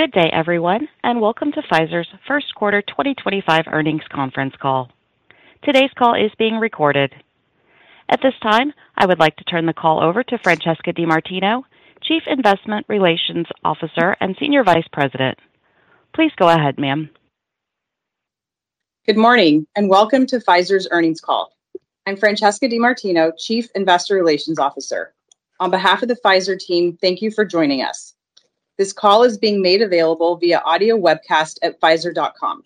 Good day, everyone, and welcome to Pfizer's first quarter 2025 earnings conference call. Today's call is being recorded. At this time, I would like to turn the call over to Francesca DeMartino, Chief Investor Relations Officer and Senior Vice President. Please go ahead, ma'am. Good morning, and welcome to Pfizer's earnings call. I'm Francesca DeMartino, Chief Investor Relations Officer. On behalf of the Pfizer team, thank you for joining us. This call is being made available via audio webcast at pfizer.com.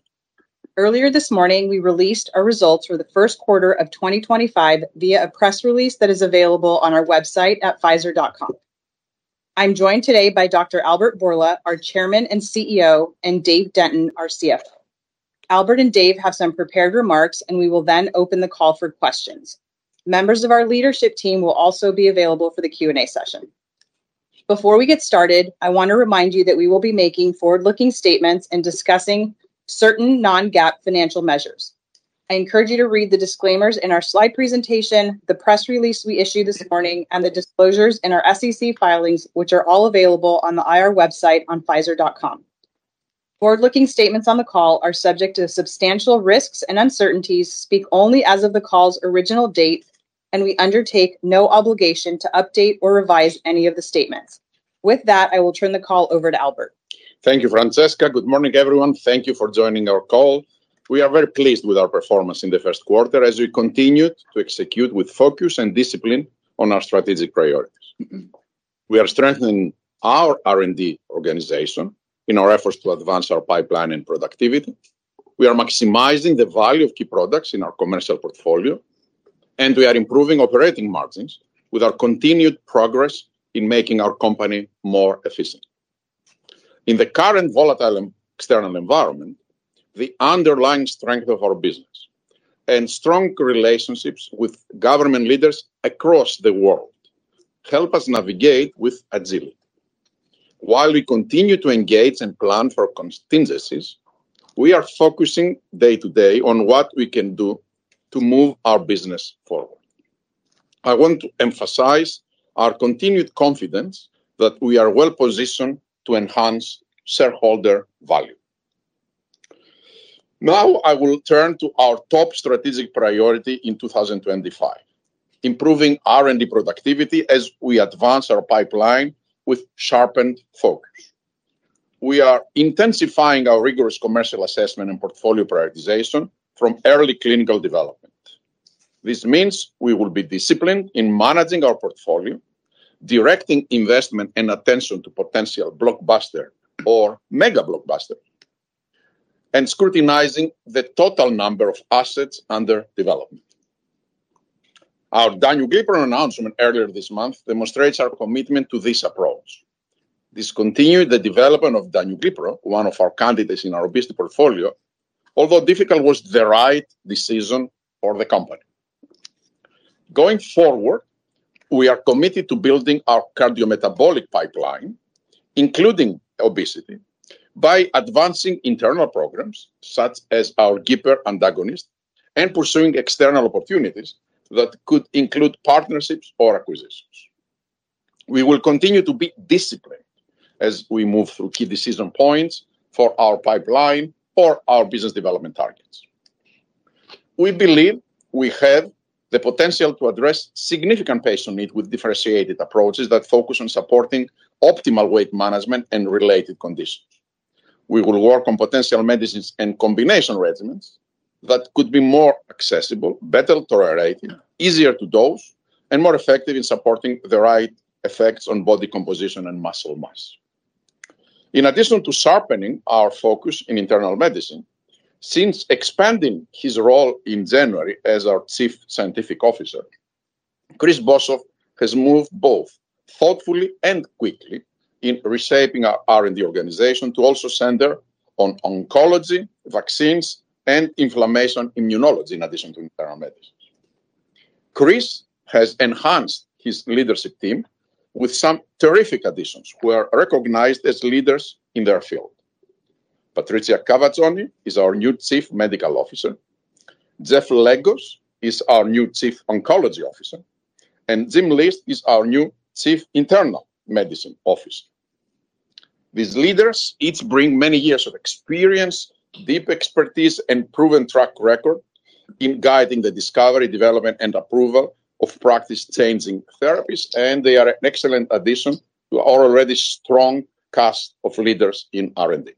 Earlier this morning, we released our results for the first quarter of 2025 via a press release that is available on our website at pfizer.com. I'm joined today by Dr. Albert Bourla, our Chairman and CEO, and Dave Denton, our CFO. Albert and Dave have some prepared remarks, and we will then open the call for questions. Members of our leadership team will also be available for the Q&A session. Before we get started, I want to remind you that we will be making forward-looking statements and discussing certain non-GAAP financial measures. I encourage you to read the disclaimers in our slide presentation, the press release we issued this morning, and the disclosures in our SEC filings, which are all available on the IR website on pfizer.com. Forward-looking statements on the call are subject to substantial risks and uncertainties, speak only as of the call's original date, and we undertake no obligation to update or revise any of the statements. With that, I will turn the call over to Albert. Thank you, Francesca. Good morning, everyone. Thank you for joining our call. We are very pleased with our performance in the first quarter as we continued to execute with focus and discipline on our strategic priorities. We are strengthening our R&D organization in our efforts to advance our pipeline and productivity. We are maximizing the value of key products in our commercial portfolio, and we are improving operating margins with our continued progress in making our company more efficient. In the current volatile external environment, the underlying strength of our business and strong relationships with government leaders across the world help us navigate with agility. While we continue to engage and plan for contingencies, we are focusing day to day on what we can do to move our business forward. I want to emphasize our continued confidence that we are well-positioned to enhance shareholder value. Now, I will turn to our top strategic priority in 2025: improving R&D productivity as we advance our pipeline with sharpened focus. We are intensifying our rigorous commercial assessment and portfolio prioritization from early clinical development. This means we will be disciplined in managing our portfolio, directing investment and attention to potential blockbuster or mega blockbuster, and scrutinizing the total number of assets under development. Our Danuglipron announcement earlier this month demonstrates our commitment to this approach. This continued the development of Danuglipron, one of our candidates in our obesity portfolio, although difficult was the right decision for the company. Going forward, we are committed to building our cardiometabolic pipeline, including obesity, by advancing internal programs such as our GIPR antagonist and pursuing external opportunities that could include partnerships or acquisitions. We will continue to be disciplined as we move through key decision points for our pipeline or our business development targets. We believe we have the potential to address significant patient needs with differentiated approaches that focus on supporting optimal weight management and related conditions. We will work on potential medicines and combination regimens that could be more accessible, better tolerated, easier to dose, and more effective in supporting the right effects on body composition and muscle mass. In addition to sharpening our focus in internal medicine, since expanding his role in January as our Chief Scientific Officer, Chris Boshoff has moved both thoughtfully and quickly in reshaping our R&D organization to also center on oncology, vaccines, and inflammation immunology in addition to internal medicines. Chris has enhanced his leadership team with some terrific additions who are recognized as leaders in their field. Patricia Cavazzoni is our new Chief Medical Officer. Jeff Lagos is our new Chief Oncology Officer, and Jim List is our new Chief Internal Medicine Officer. These leaders each bring many years of experience, deep expertise, and proven track record in guiding the discovery, development, and approval of practice-changing therapies, and they are an excellent addition to our already strong cast of leaders in R&D.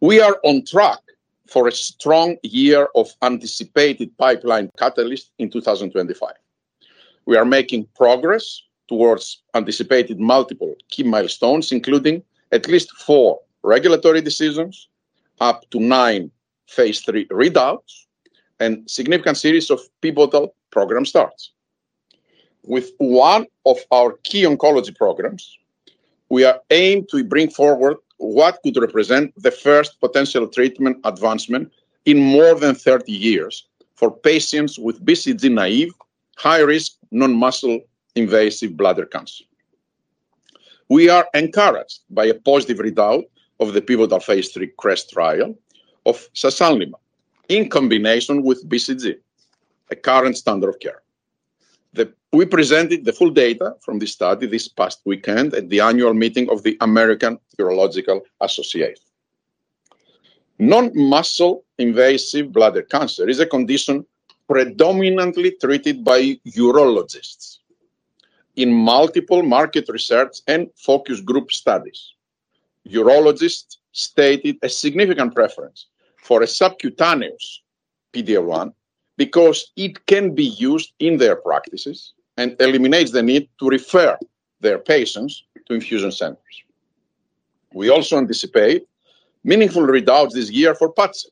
We are on track for a strong year of anticipated pipeline catalysts in 2025. We are making progress towards anticipated multiple key milestones, including at least four regulatory decisions, up to nine phase 3 readouts, and a significant series of pivotal program starts. With one of our key oncology programs, we are aimed to bring forward what could represent the first potential treatment advancement in more than 30 years for patients with BCG-naive, high-risk, non-muscle-invasive bladder cancer. We are encouraged by a positive readout of the pivotal phase III CREST trial of Sassanlimab in combination with BCG, a current standard of care. We presented the full data from this study this past weekend at the annual meeting of the American Urological Association. Non-muscle-invasive bladder cancer is a condition predominantly treated by urologists. In multiple market research and focus group studies, urologists stated a significant preference for a subcutaneous PD-L1 because it can be used in their practices and eliminates the need to refer their patients to infusion centers. We also anticipate meaningful readouts this year for Padcev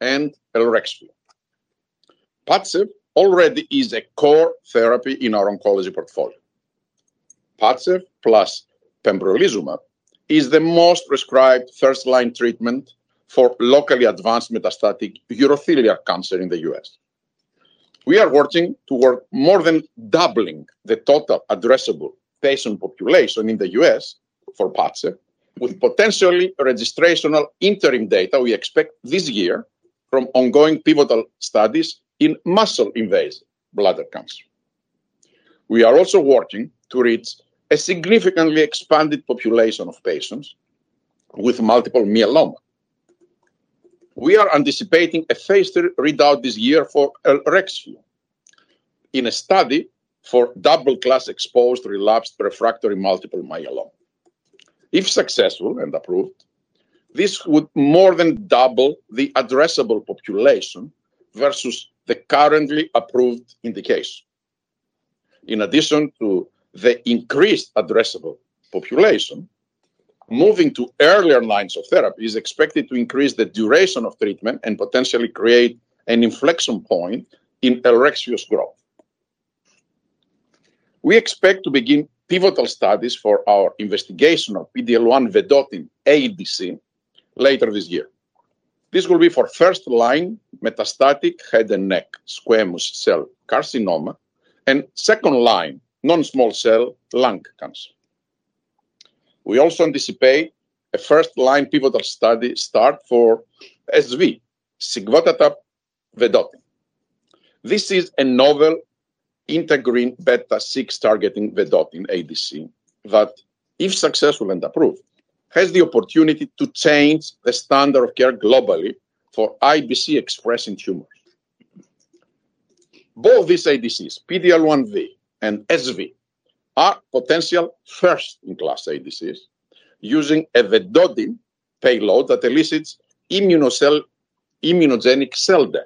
and Elrexfio. Padcev already is a core therapy in our oncology portfolio. Padcev plus pembrolizumab is the most prescribed first-line treatment for locally advanced metastatic urothelial cancer in the U.S. We are working toward more than doubling the total addressable patient population in the U.S. for Padcev with potentially registrational interim data we expect this year from ongoing pivotal studies in muscle-invasive bladder cancer. We are also working to reach a significantly expanded population of patients with multiple myeloma. We are anticipating a phase three readout this year for Elrexfio in a study for double-class exposed relapsed refractory multiple myeloma. If successful and approved, this would more than double the addressable population versus the currently approved indication. In addition to the increased addressable population, moving to earlier lines of therapy is expected to increase the duration of treatment and potentially create an inflection point in Elrexfio's growth. We expect to begin pivotal studies for our investigational PD-L1 Vedotin ADC later this year. This will be for first-line metastatic head and neck squamous cell carcinoma and second-line non-small cell lung cancer. We also anticipate a first-line pivotal study start for SV, Sigvotatug Vedotin. This is a novel integrin beta-6 targeting Vedotin ADC that, if successful and approved, has the opportunity to change the standard of care globally for IBC expressing tumors. Both these ADCs, PD-L1V and SV, are potential first-in-class ADCs using a Vedotin payload that elicits immunogenic cell death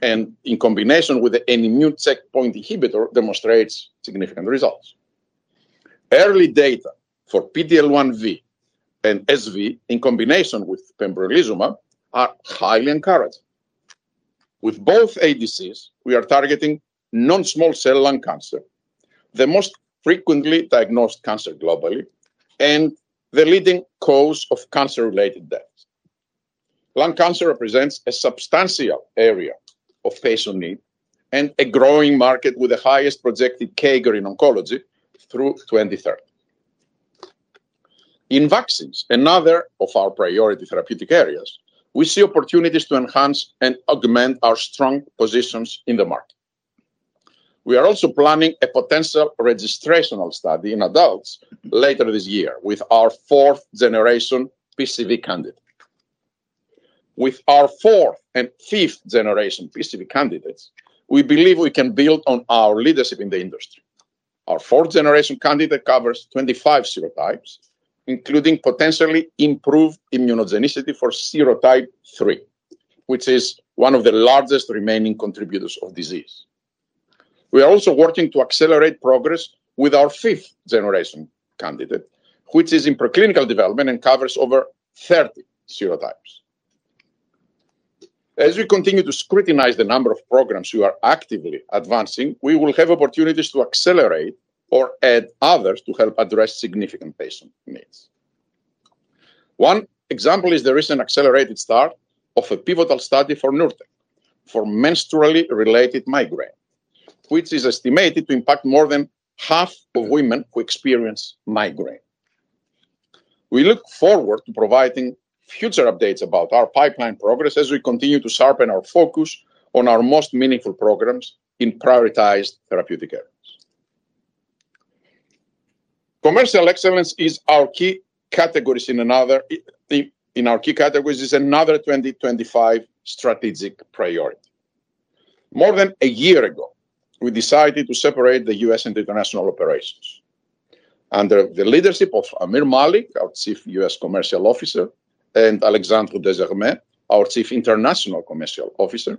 and, in combination with an immune checkpoint inhibitor, demonstrates significant results. Early data for PD-L1V and SV in combination with pembrolizumab are highly encouraged. With both ADCs, we are targeting non-small cell lung cancer, the most frequently diagnosed cancer globally, and the leading cause of cancer-related deaths. Lung cancer represents a substantial area of patient need and a growing market with the highest projected CAGR in oncology through 2030. In vaccines, another of our priority therapeutic areas, we see opportunities to enhance and augment our strong positions in the market. We are also planning a potential registrational study in adults later this year with our fourth-generation PCV candidate. With our fourth and fifth-generation PCV candidates, we believe we can build on our leadership in the industry. Our fourth-generation candidate covers 25 serotypes, including potentially improved immunogenicity for serotype 3, which is one of the largest remaining contributors of disease. We are also working to accelerate progress with our fifth-generation candidate, which is in preclinical development and covers over 30 serotypes. As we continue to scrutinize the number of programs we are actively advancing, we will have opportunities to accelerate or add others to help address significant patient needs. One example is the recent accelerated start of a pivotal study for Nurtec for menstrually related migraine, which is estimated to impact more than half of women who experience migraine. We look forward to providing future updates about our pipeline progress as we continue to sharpen our focus on our most meaningful programs in prioritized therapeutic areas. Commercial excellence in our key categories is another 2025 strategic priority. More than a year ago, we decided to separate the U.S. and international operations. Under the leadership of Aamir Malik, our Chief U.S. Commercial Officer, and Alexandre de Germay, our Chief International Commercial Officer,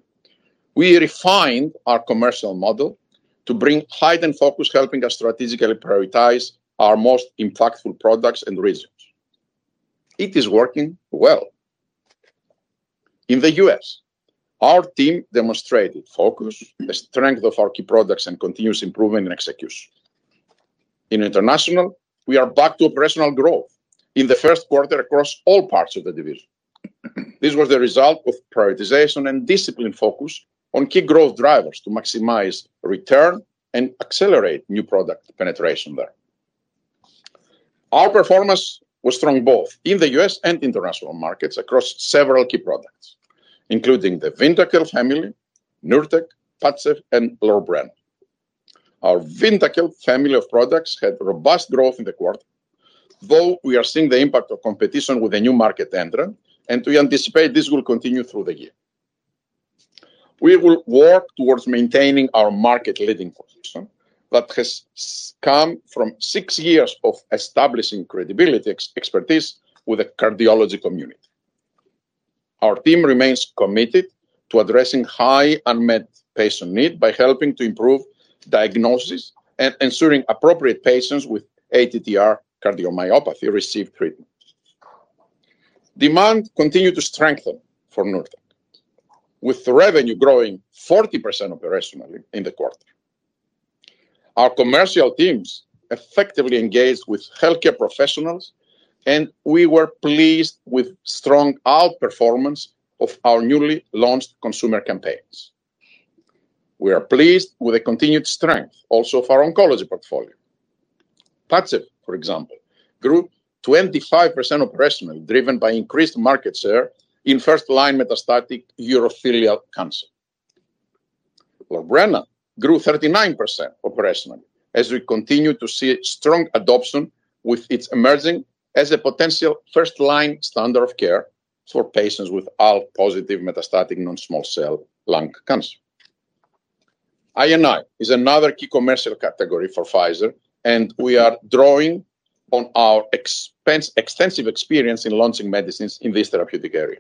we refined our commercial model to bring heightened focus, helping us strategically prioritize our most impactful products and regions. It is working well. In the U.S., our team demonstrated focus, the strength of our key products, and continuous improvement and execution. In international, we are back to operational growth in the first quarter across all parts of the division. This was the result of prioritization and disciplined focus on key growth drivers to maximize return and accelerate new product penetration there. Our performance was strong both in the U.S. and international markets across several key products, including the Vyndaqel family, Nurtec, Padcev, and Lorbrena. Our Vyndaqel family of products had robust growth in the quarter, though we are seeing the impact of competition with a new market entrant, and we anticipate this will continue through the year. We will work towards maintaining our market-leading position that has come from six years of establishing credibility and expertise with the cardiology community. Our team remains committed to addressing high unmet patient need by helping to improve diagnosis and ensuring appropriate patients with ATTR cardiomyopathy receive treatment. Demand continued to strengthen for Nurtec, with revenue growing 40% operationally in the quarter. Our commercial teams effectively engaged with healthcare professionals, and we were pleased with strong outperformance of our newly launched consumer campaigns. We are pleased with the continued strength also of our oncology portfolio. Padcev, for example, grew 25% operationally driven by increased market share in first-line metastatic urothelial cancer. Lorbrena grew 39% operationally as we continue to see strong adoption with its emerging as a potential first-line standard of care for patients with ALK-positive metastatic non-small cell lung cancer. INI is another key commercial category for Pfizer, and we are drawing on our extensive experience in launching medicines in this therapeutic area.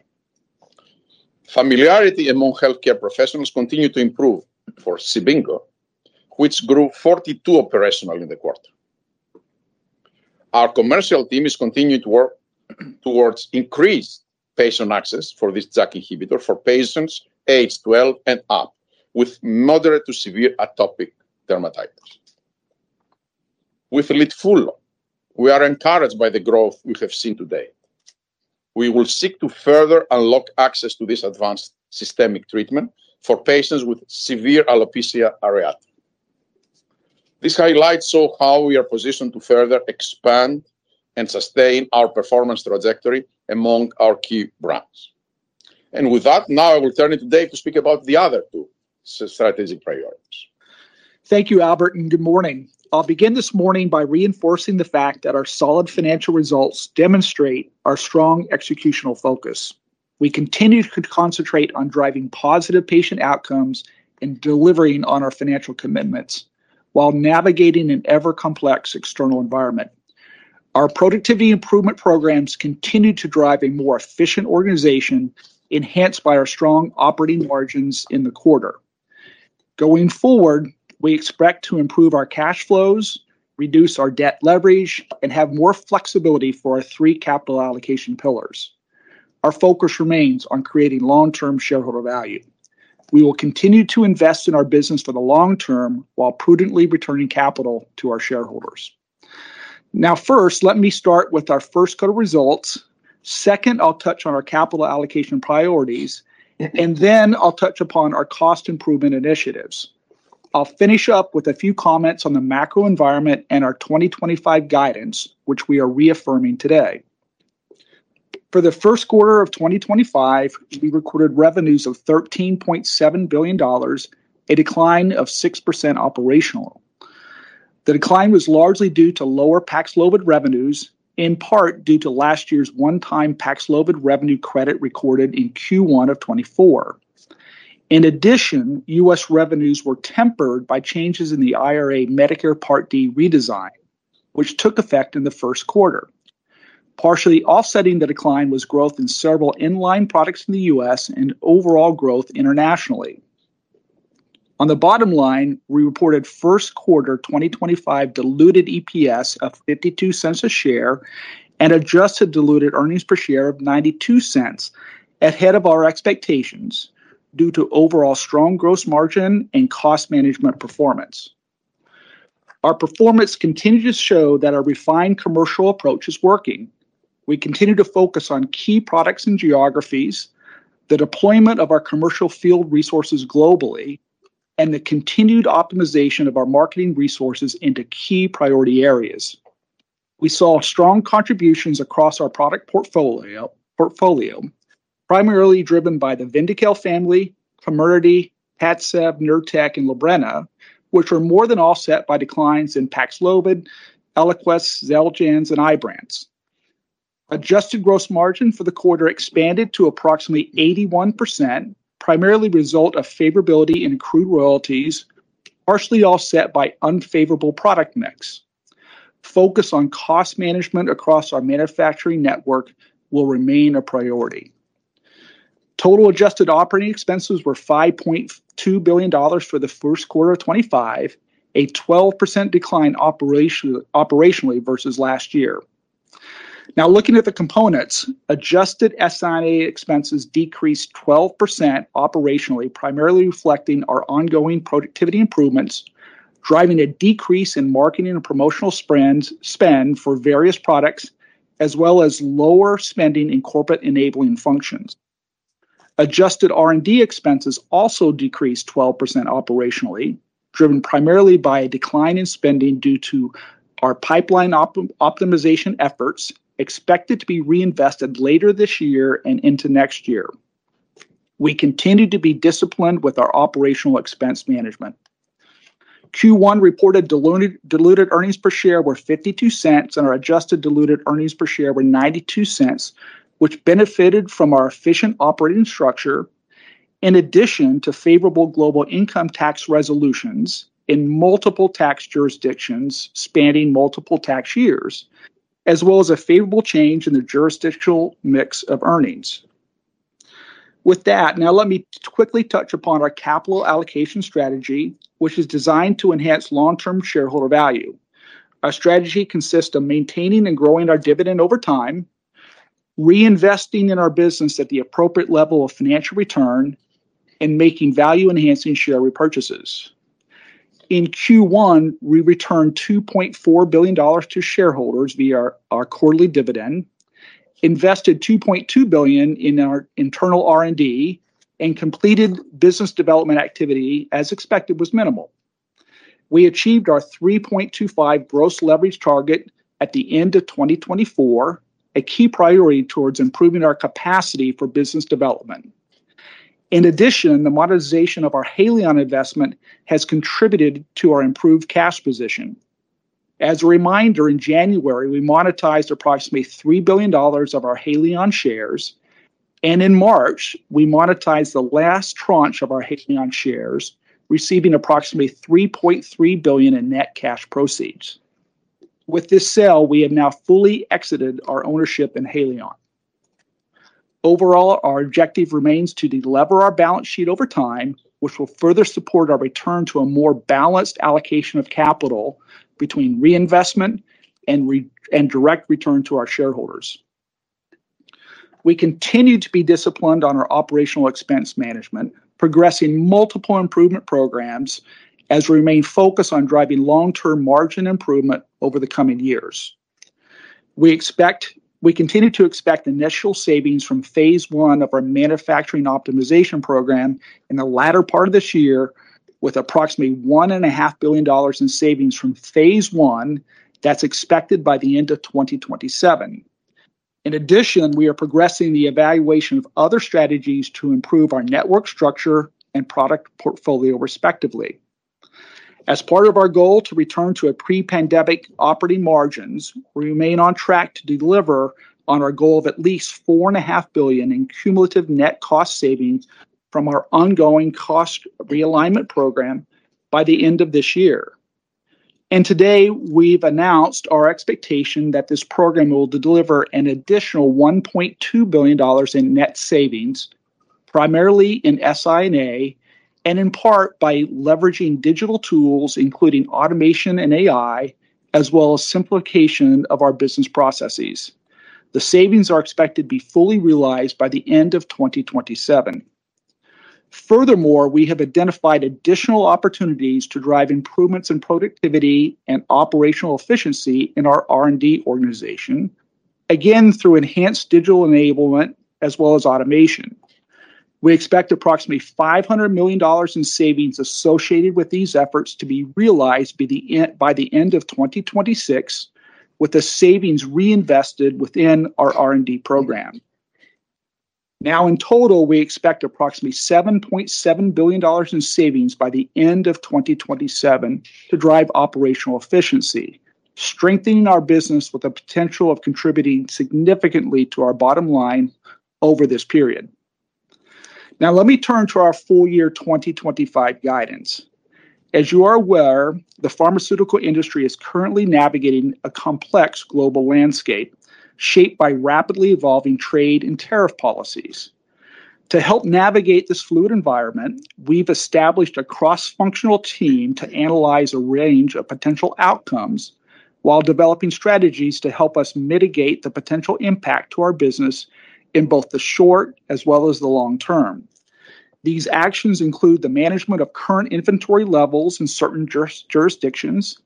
Familiarity among healthcare professionals continued to improve for Cibinqo, which grew 42% operationally in the quarter. Our commercial team is continuing to work towards increased patient access for this JAK inhibitor for patients age 12 and up with moderate to severe atopic dermatitis. With Litfulo, we are encouraged by the growth we have seen today. We will seek to further unlock access to this advanced systemic treatment for patients with severe alopecia areata. This highlights how we are positioned to further expand and sustain our performance trajectory among our key brands. Now I will turn it to Dave to speak about the other two strategic priorities. Thank you, Albert, and good morning. I'll begin this morning by reinforcing the fact that our solid financial results demonstrate our strong executional focus. We continue to concentrate on driving positive patient outcomes and delivering on our financial commitments while navigating an ever-complex external environment. Our productivity improvement programs continue to drive a more efficient organization enhanced by our strong operating margins in the quarter. Going forward, we expect to improve our cash flows, reduce our debt leverage, and have more flexibility for our three capital allocation pillars. Our focus remains on creating long-term shareholder value. We will continue to invest in our business for the long term while prudently returning capital to our shareholders. Now, first, let me start with our first cut of results. Second, I'll touch on our capital allocation priorities, and then I'll touch upon our cost improvement initiatives. I'll finish up with a few comments on the macro environment and our 2025 guidance, which we are reaffirming today. For the first quarter of 2025, we recorded revenues of $13.7 billion, a decline of 6% operationally. The decline was largely due to lower Paxlovid revenues, in part due to last year's one-time Paxlovid revenue credit recorded in Q1 of 2024. In addition, U.S. revenues were tempered by changes in the IRA Medicare Part D redesign, which took effect in the first quarter. Partially offsetting the decline was growth in several inline products in the U.S. and overall growth internationally. On the bottom line, we reported first quarter 2025 diluted EPS of $0.52 a share and adjusted diluted earnings per share of $0.92 ahead of our expectations due to overall strong gross margin and cost management performance. Our performance continues to show that our refined commercial approach is working. We continue to focus on key products and geographies, the deployment of our commercial field resources globally, and the continued optimization of our marketing resources into key priority areas. We saw strong contributions across our product portfolio, primarily driven by the Vyndaqel family, Comirnaty, Padcev, Nurtec, and Lorbrena, which were more than offset by declines in Paxlovid, Eliquis, Xeljanz, and Ibrance. Adjusted gross margin for the quarter expanded to approximately 81%, primarily a result of favorability in accrued royalties, partially offset by unfavorable product mix. Focus on cost management across our manufacturing network will remain a priority. Total adjusted operating expenses were $5.2 billion for the first quarter of 2025, a 12% decline operationally versus last year. Now, looking at the components, adjusted SIA expenses decreased 12% operationally, primarily reflecting our ongoing productivity improvements, driving a decrease in marketing and promotional spend for various products, as well as lower spending in corporate enabling functions. Adjusted R&D expenses also decreased 12% operationally, driven primarily by a decline in spending due to our pipeline optimization efforts expected to be reinvested later this year and into next year. We continue to be disciplined with our operational expense management. Q1 reported diluted earnings per share were $0.52, and our adjusted diluted earnings per share were $0.92, which benefited from our efficient operating structure in addition to favorable global income tax resolutions in multiple tax jurisdictions spanning multiple tax years, as well as a favorable change in the jurisdictional mix of earnings. With that, now let me quickly touch upon our capital allocation strategy, which is designed to enhance long-term shareholder value. Our strategy consists of maintaining and growing our dividend over time, reinvesting in our business at the appropriate level of financial return, and making value-enhancing share repurchases. In Q1, we returned $2.4 billion to shareholders via our quarterly dividend, invested $2.2 billion in our internal R&D, and completed business development activity as expected was minimal. We achieved our 3.25 gross leverage target at the end of 2024, a key priority towards improving our capacity for business development. In addition, the monetization of our Haleon investment has contributed to our improved cash position. As a reminder, in January, we monetized approximately $3 billion of our Haleon shares, and in March, we monetized the last tranche of our Haleon shares, receiving approximately $3.3 billion in net cash proceeds. With this sale, we have now fully exited our ownership in Haleon. Overall, our objective remains to deliver our balance sheet over time, which will further support our return to a more balanced allocation of capital between reinvestment and direct return to our shareholders. We continue to be disciplined on our operational expense management, progressing multiple improvement programs as we remain focused on driving long-term margin improvement over the coming years. We continue to expect initial savings from phase one of our manufacturing optimization program in the latter part of this year, with approximately $1.5 billion in savings from phase one that's expected by the end of 2027. In addition, we are progressing the evaluation of other strategies to improve our network structure and product portfolio, respectively. As part of our goal to return to pre-pandemic operating margins, we remain on track to deliver on our goal of at least $4.5 billion in cumulative net cost savings from our ongoing cost realignment program by the end of this year. Today, we've announced our expectation that this program will deliver an additional $1.2 billion in net savings, primarily in SIA and in part by leveraging digital tools, including automation and AI, as well as simplification of our business processes. The savings are expected to be fully realized by the end of 2027. Furthermore, we have identified additional opportunities to drive improvements in productivity and operational efficiency in our R&D organization, again through enhanced digital enablement as well as automation. We expect approximately $500 million in savings associated with these efforts to be realized by the end of 2026, with the savings reinvested within our R&D program. Now, in total, we expect approximately $7.7 billion in savings by the end of 2027 to drive operational efficiency, strengthening our business with the potential of contributing significantly to our bottom line over this period. Now, let me turn to our full year 2025 guidance. As you are aware, the pharmaceutical industry is currently navigating a complex global landscape shaped by rapidly evolving trade and tariff policies. To help navigate this fluid environment, we've established a cross-functional team to analyze a range of potential outcomes while developing strategies to help us mitigate the potential impact to our business in both the short as well as the long term. These actions include the management of current inventory levels in certain jurisdictions,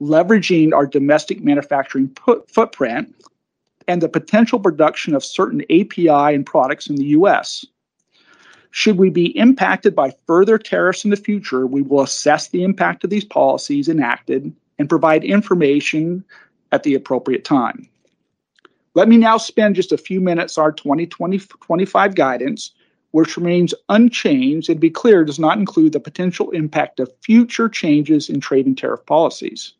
leveraging our domestic manufacturing footprint, and the potential production of certain API and products in the U.S.. Should we be impacted by further tariffs in the future, we will assess the impact of these policies enacted and provide information at the appropriate time. Let me now spend just a few minutes on our 2025 guidance, which remains unchanged and, to be clear, does not include the potential impact of future changes in trade and tariff policies.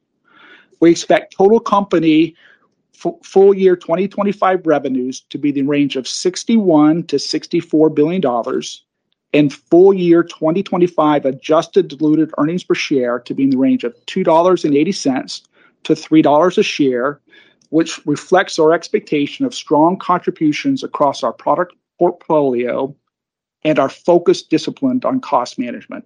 We expect total company full year 2025 revenues to be in the range of $61 billion-$64 billion and full year 2025 adjusted diluted earnings per share to be in the range of $2.80-$3 a share, which reflects our expectation of strong contributions across our product portfolio and our focus disciplined on cost management.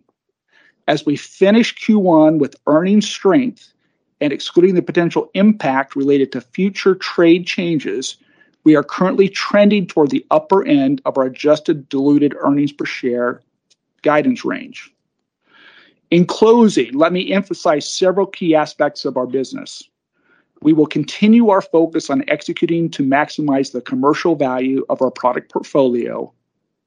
As we finish Q1 with earnings strength and excluding the potential impact related to future trade changes, we are currently trending toward the upper end of our adjusted diluted earnings per share guidance range. In closing, let me emphasize several key aspects of our business. We will continue our focus on executing to maximize the commercial value of our product portfolio,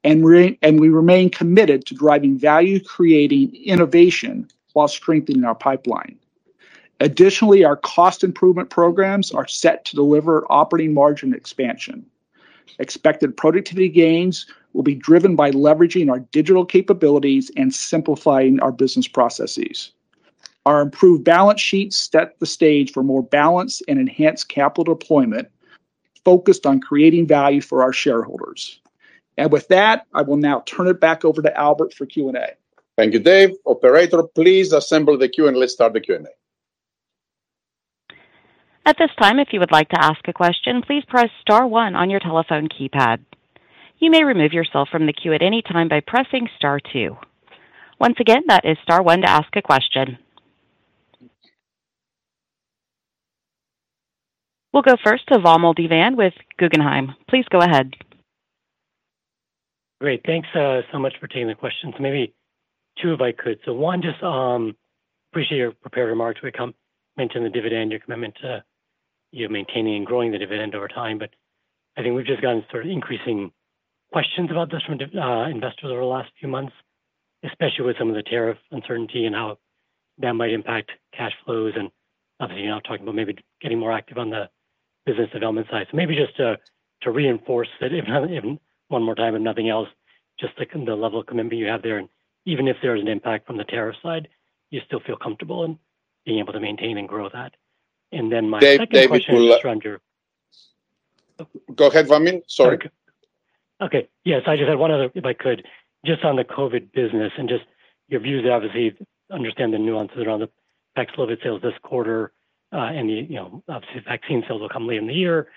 and we remain committed to driving value, creating innovation while strengthening our pipeline. Additionally, our cost improvement programs are set to deliver operating margin expansion. Expected productivity gains will be driven by leveraging our digital capabilities and simplifying our business processes. Our improved balance sheet set the stage for more balance and enhanced capital deployment focused on creating value for our shareholders. I will now turn it back over to Albert for Q&A. Thank you, Dave. Operator, please assemble the queue and let's start the Q&A. At this time, if you would like to ask a question, please press Star 1 on your telephone keypad. You may remove yourself from the queue at any time by pressing Star 2. Once again, that is Star 1 to ask a question. We'll go first to Vamil Divan with Guggenheim. Please go ahead. Great. Thanks so much for taking the questions. Maybe two if I could. One, just appreciate your prepared remarks. We mentioned the dividend, your commitment to maintaining and growing the dividend over time, but I think we've just gotten sort of increasing questions about this from investors over the last few months, especially with some of the tariff uncertainty and how that might impact cash flows. Obviously, you're not talking about maybe getting more active on the business development side. Maybe just to reinforce that one more time, if nothing else, just the level of commitment you have there. Even if there is an impact from the tariff side, you still feel comfortable in being able to maintain and grow that. My second question is around your. Go ahead, Vamil. Sorry. Okay. Yes, I just had one other, if I could, just on the COVID business and just your views, obviously, understand the nuances around the Paxlovid sales this quarter and the, obviously, vaccine sales will come late in the year.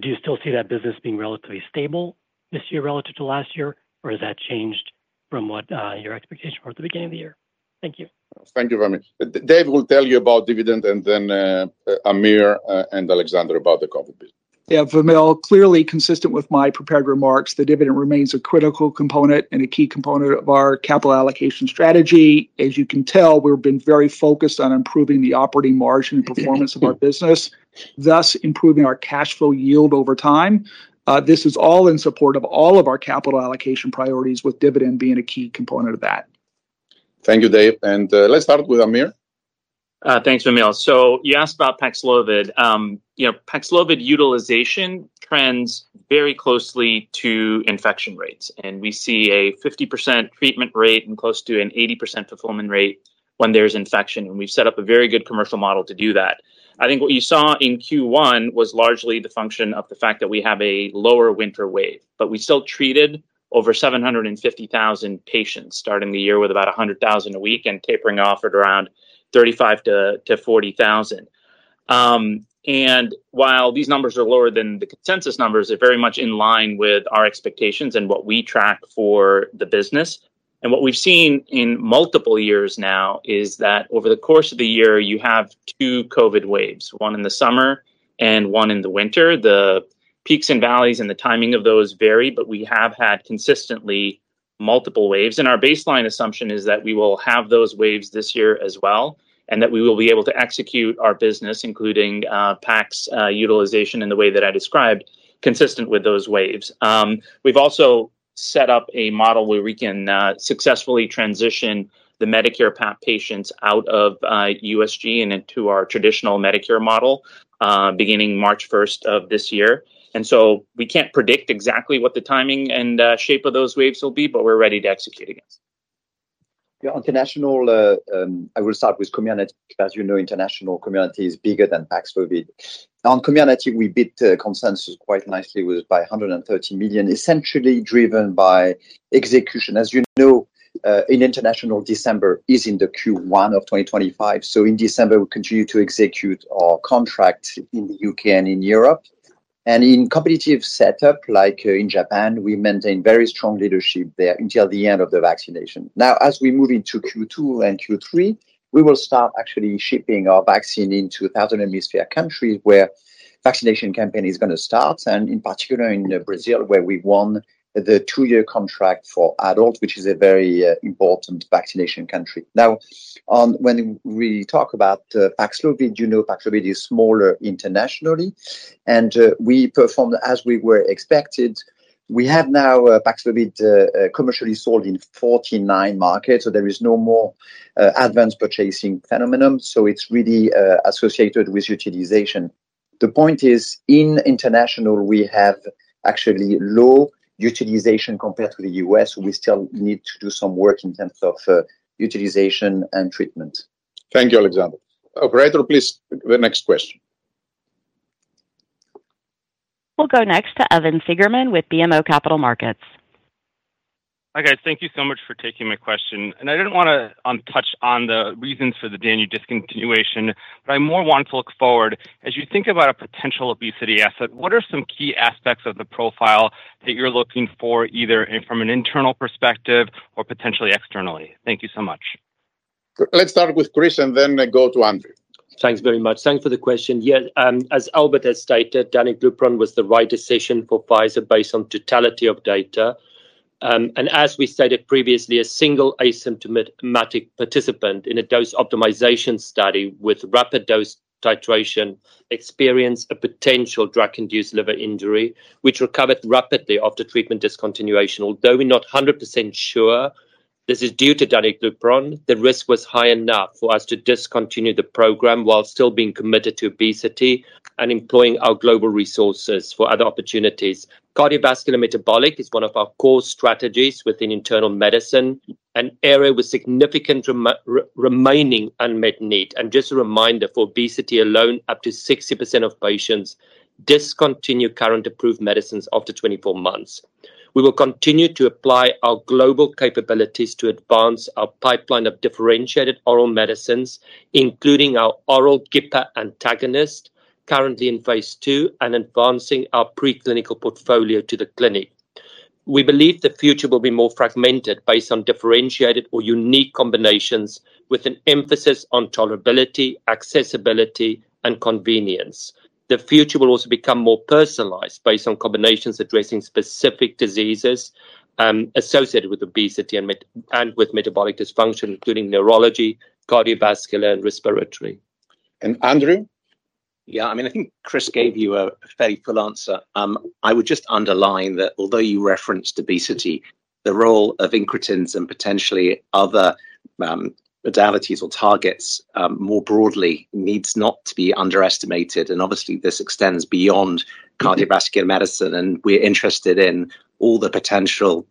Do you still see that business being relatively stable this year relative to last year, or has that changed from what your expectation was at the beginning of the year? Thank you. Thank you, Vamil. Dave will tell you about dividend and then Aamir and Alexandre about the COVID business. Yeah, for me, all clearly consistent with my prepared remarks, the dividend remains a critical component and a key component of our capital allocation strategy. As you can tell, we've been very focused on improving the operating margin and performance of our business, thus improving our cash flow yield over time. This is all in support of all of our capital allocation priorities, with dividend being a key component of that. Thank you, Dave. Let's start with Aamir. Thanks, Vamil. You asked about Paxlovid. Paxlovid utilization trends very closely to infection rates, and we see a 50% treatment rate and close to an 80% fulfillment rate when there's infection. We've set up a very good commercial model to do that. I think what you saw in Q1 was largely the function of the fact that we have a lower winter wave, but we still treated over 750,000 patients starting the year with about 100,000 a week and tapering off at around 35,000-40,000. While these numbers are lower than the consensus numbers, they're very much in line with our expectations and what we track for the business. What we've seen in multiple years now is that over the course of the year, you have two COVID waves, one in the summer and one in the winter. The peaks and valleys and the timing of those vary, but we have had consistently multiple waves. Our baseline assumption is that we will have those waves this year as well and that we will be able to execute our business, including Pax utilization in the way that I described, consistent with those waves. We've also set up a model where we can successfully transition the Medicare patients out of U.S.G and into our traditional Medicare model beginning March 1 of this year. We can't predict exactly what the timing and shape of those waves will be, but we're ready to execute against. The international, I will start with community. As you know, international community is bigger than Paxlovid. On community, we beat consensus quite nicely by $130 million, essentially driven by execution. As you know, in international, December is in the Q1 of 2025. In December, we continue to execute our contract in the U.K. and in Europe. In competitive setup, like in Japan, we maintain very strong leadership there until the end of the vaccination. Now, as we move into Q2 and Q3, we will start actually shipping our vaccine into 1,000 atmosphere countries where vaccination campaign is going to start, and in particular in Brazil, where we won the two-year contract for adults, which is a very important vaccination country. Now, when we talk about Paxlovid, you know Paxlovid is smaller internationally, and we performed as we were expected. We have now Paxlovid commercially sold in 49 markets, so there is no more advance purchasing phenomenon. It is really associated with utilization. The point is, in international, we have actually low utilization compared to the U.S., so we still need to do some work in terms of utilization and treatment. Thank you, Alexandre. Operator, please, the next question. We'll go next to Evan Seigerman with BMO Capital Markets. Hi, guys. Thank you so much for taking my question. I did not want to touch on the reasons for the Danu discontinuation, but I more want to look forward. As you think about a potential obesity asset, what are some key aspects of the profile that you're looking for, either from an internal perspective or potentially externally? Thank you so much. Let's start with Chris and then go to Andrew. Thanks very much. Thanks for the question. Yeah, as Albert has stated, Danuglipron was the right decision for Pfizer based on totality of data. As we stated previously, a single asymptomatic participant in a dose optimization study with rapid dose titration experienced a potential drug-induced liver injury, which recovered rapidly after treatment discontinuation. Although we're not 100% sure this is due to Danuglipron, the risk was high enough for us to discontinue the program while still being committed to obesity and employing our global resources for other opportunities. Cardiovascular metabolic is one of our core strategies within internal medicine, an area with significant remaining unmet need. Just a reminder, for obesity alone, up to 60% of patients discontinue current approved medicines after 24 months. We will continue to apply our global capabilities to advance our pipeline of differentiated oral medicines, including our oral GIPR antagonist currently in phase two and advancing our preclinical portfolio to the clinic. We believe the future will be more fragmented based on differentiated or unique combinations, with an emphasis on tolerability, accessibility, and convenience. The future will also become more personalized based on combinations addressing specific diseases associated with obesity and with metabolic dysfunction, including neurology, cardiovascular, and respiratory. Andrew? Yeah, I mean, I think Chris gave you a fairly full answer. I would just underline that although you referenced obesity, the role of incretins and potentially other modalities or targets more broadly needs not to be underestimated. Obviously, this extends beyond cardiovascular medicine, and we're interested in all the potential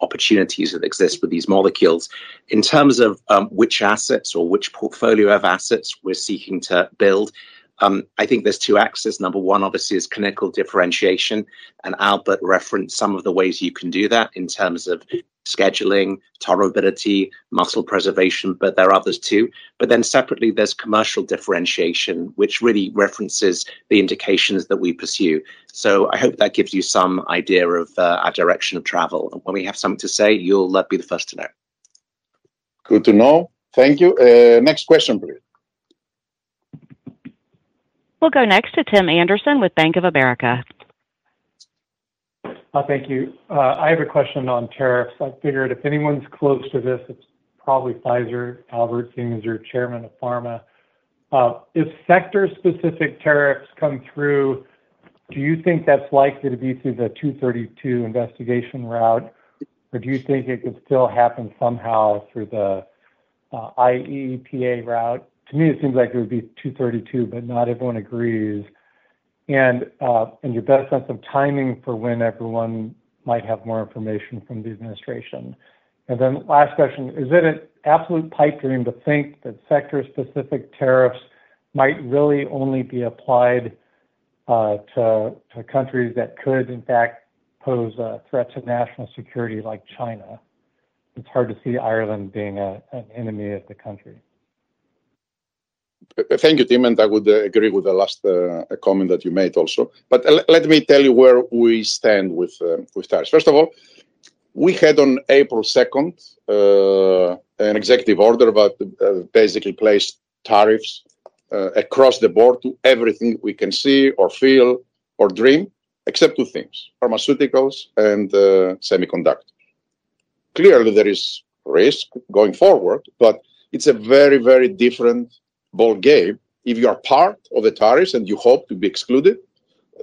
opportunities that exist with these molecules. In terms of which assets or which portfolio of assets we're seeking to build, I think there's two axes. Number one, obviously, is clinical differentiation, and Albert referenced some of the ways you can do that in terms of scheduling, tolerability, muscle preservation, but there are others too. Then separately, there's commercial differentiation, which really references the indications that we pursue. I hope that gives you some idea of our direction of travel. When we have something to say, you'll be the first to know. Good to know. Thank you. Next question, please. We'll go next to Tim Anderson with Bank of America. Thank you. I have a question on tariffs. I figured if anyone's close to this, it's probably Pfizer, Albert seeing as you're chairman of pharma. If sector-specific tariffs come through, do you think that's likely to be through the 232 investigation route, or do you think it could still happen somehow through the IEPA route? To me, it seems like it would be 232, but not everyone agrees. Your best sense of timing for when everyone might have more information from the administration. Last question, is it an absolute pipe dream to think that sector-specific tariffs might really only be applied to countries that could, in fact, pose a threat to national security like China? It's hard to see Ireland being an enemy of the country. Thank you, Tim, I would agree with the last comment that you made also. Let me tell you where we stand with tariffs. First of all, we had on April 2nd an executive order that basically placed tariffs across the board to everything we can see or feel or dream, except two things: pharmaceuticals and semiconductors. Clearly, there is risk going forward, but it's a very, very different ballgame. If you are part of the tariffs and you hope to be excluded,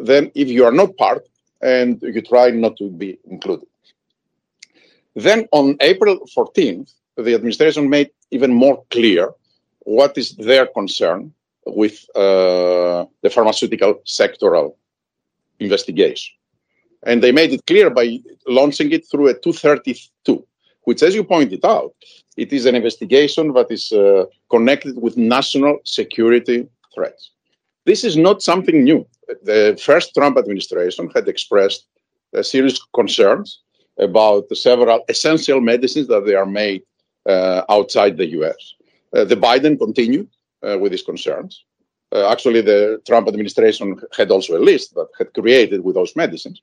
then if you are not part and you try not to be included. On April 14th, the administration made even more clear what is their concern with the pharmaceutical sectoral investigation. They made it clear by launching it through a 232, which, as you pointed out, is an investigation that is connected with national security threats. This is not something new. The first Trump administration had expressed serious concerns about several essential medicines that are made outside the U.S.. The Biden continued with his concerns. Actually, the Trump administration had also a list that had created with those medicines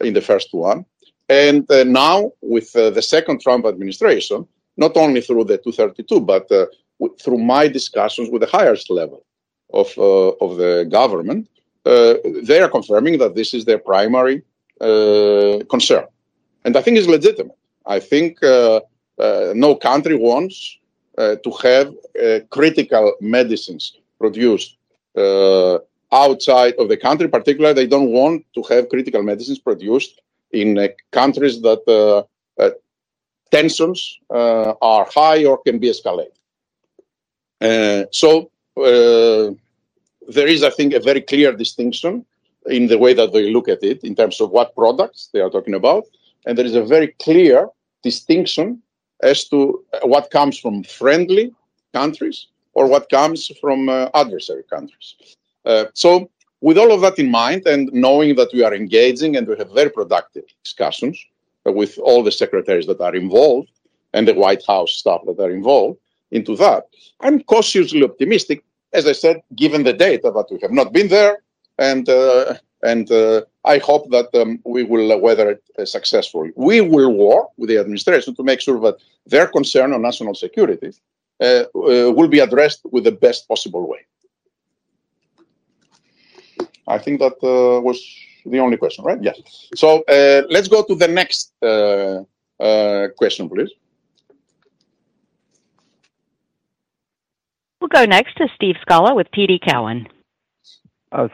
in the first one. Now, with the second Trump administration, not only through the 232, but through my discussions with the highest level of the government, they are confirming that this is their primary concern. I think it's legitimate. I think no country wants to have critical medicines produced outside of the country. Particularly, they don't want to have critical medicines produced in countries that tensions are high or can be escalated. There is, I think, a very clear distinction in the way that they look at it in terms of what products they are talking about. There is a very clear distinction as to what comes from friendly countries or what comes from adversary countries. With all of that in mind and knowing that we are engaging and we have very productive discussions with all the secretaries that are involved and the White House staff that are involved in that, I'm cautiously optimistic, as I said, given the data that we have not been there. I hope that we will weather it successfully. We will work with the administration to make sure that their concern on national security will be addressed in the best possible way. I think that was the only question, right? Yes. Let's go to the next question, please. We'll go next to Steve Scala with TD Cowen.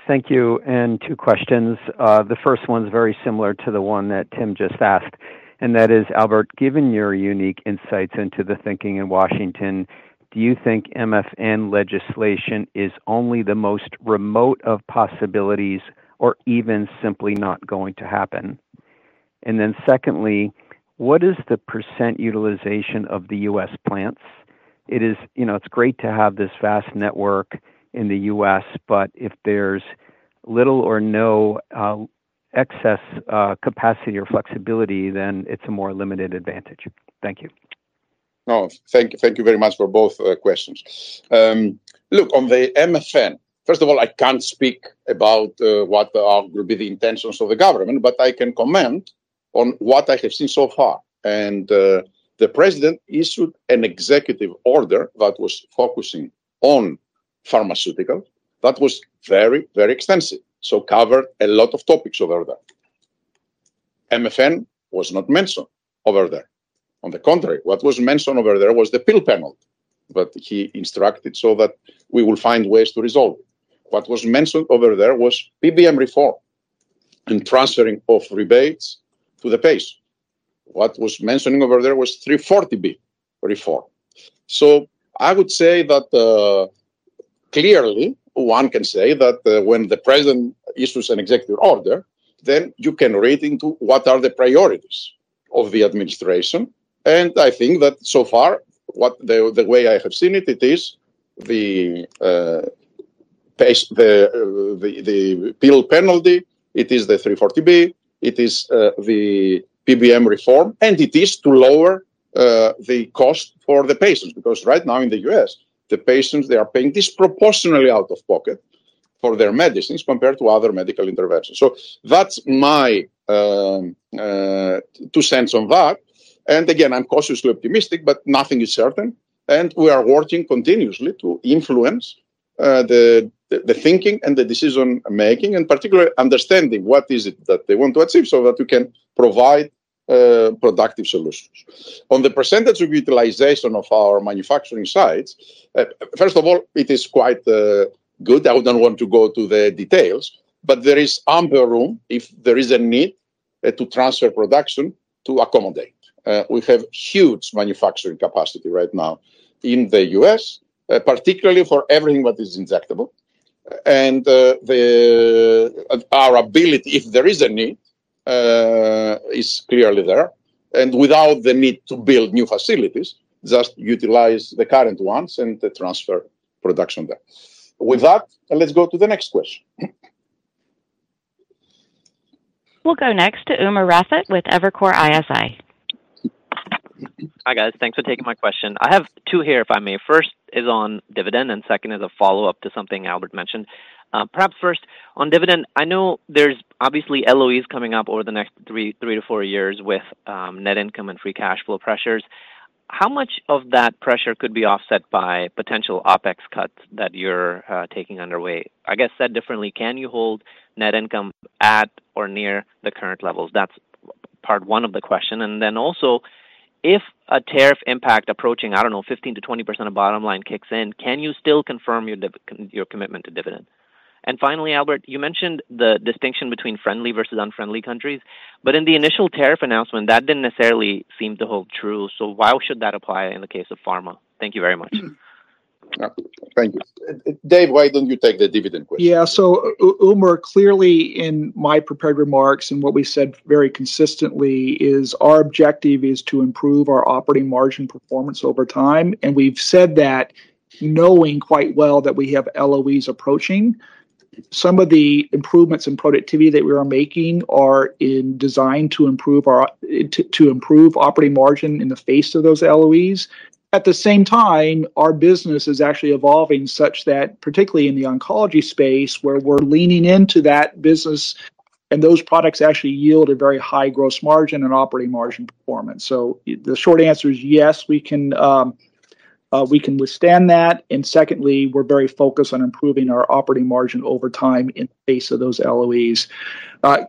Thank you. Two questions. The first one's very similar to the one that Tim just asked, and that is, Albert, given your unique insights into the thinking in Washington, do you think MFN legislation is only the most remote of possibilities or even simply not going to happen? Secondly, what is the percent utilization of the U.S. plants? It's great to have this vast network in the U.S., but if there's little or no excess capacity or flexibility, then it's a more limited advantage. Thank you. No, thank you very much for both questions. Look, on the MFN, first of all, I can't speak about what will be the intentions of the government, but I can comment on what I have seen so far. The president issued an executive order that was focusing on pharmaceuticals that was very, very extensive, so covered a lot of topics over there. MFN was not mentioned over there. On the contrary, what was mentioned over there was the pill penalty that he instructed so that we will find ways to resolve it. What was mentioned over there was PBM reform and transferring of rebates to the patient. What was mentioned over there was 340B reform. I would say that clearly, one can say that when the president issues an executive order, then you can read into what are the priorities of the administration. I think that so far, the way I have seen it, it is the pill penalty, it is the 340B, it is the PBM reform, and it is to lower the cost for the patients. Because right now in the U.S., the patients, they are paying disproportionately out of pocket for their medicines compared to other medical interventions. That's my two cents on that. I'm cautiously optimistic, but nothing is certain. We are working continuously to influence the thinking and the decision-making, and particularly understanding what is it that they want to achieve so that we can provide productive solutions. On the percentage of utilization of our manufacturing sites, first of all, it is quite good. I wouldn't want to go to the details, but there is ample room if there is a need to transfer production to accommodate. We have huge manufacturing capacity right now in the U.S., particularly for everything that is injectable. Our ability, if there is a need, is clearly there. Without the need to build new facilities, just utilize the current ones and transfer production there. With that, let's go to the next question. We'll go next to Umer Raffat with Evercore ISI. Hi, guys. Thanks for taking my question. I have two here, if I may. First is on dividend, and second is a follow-up to something Albert mentioned. Perhaps first, on dividend, I know there's obviously LOEs coming up over the next three to four years with net income and free cash flow pressures. How much of that pressure could be offset by potential OpEx cuts that you're taking underway? I guess said differently, can you hold net income at or near the current levels? That's part one of the question. Also, if a tariff impact approaching, I don't know, 15%-20% of bottom line kicks in, can you still confirm your commitment to dividend? Finally, Albert, you mentioned the distinction between friendly versus unfriendly countries, but in the initial tariff announcement, that didn't necessarily seem to hold true. Why should that apply in the case of pharma? Thank you very much. Thank you. Dave, why don't you take the dividend question? Yeah. So Umer, clearly, in my prepared remarks and what we said very consistently is our objective is to improve our operating margin performance over time. We've said that knowing quite well that we have LOEs approaching. Some of the improvements in productivity that we are making are in design to improve operating margin in the face of those LOEs. At the same time, our business is actually evolving such that, particularly in the oncology space, where we're leaning into that business and those products actually yield a very high gross margin and operating margin performance. The short answer is yes, we can withstand that. Secondly, we're very focused on improving our operating margin over time in the face of those LOEs.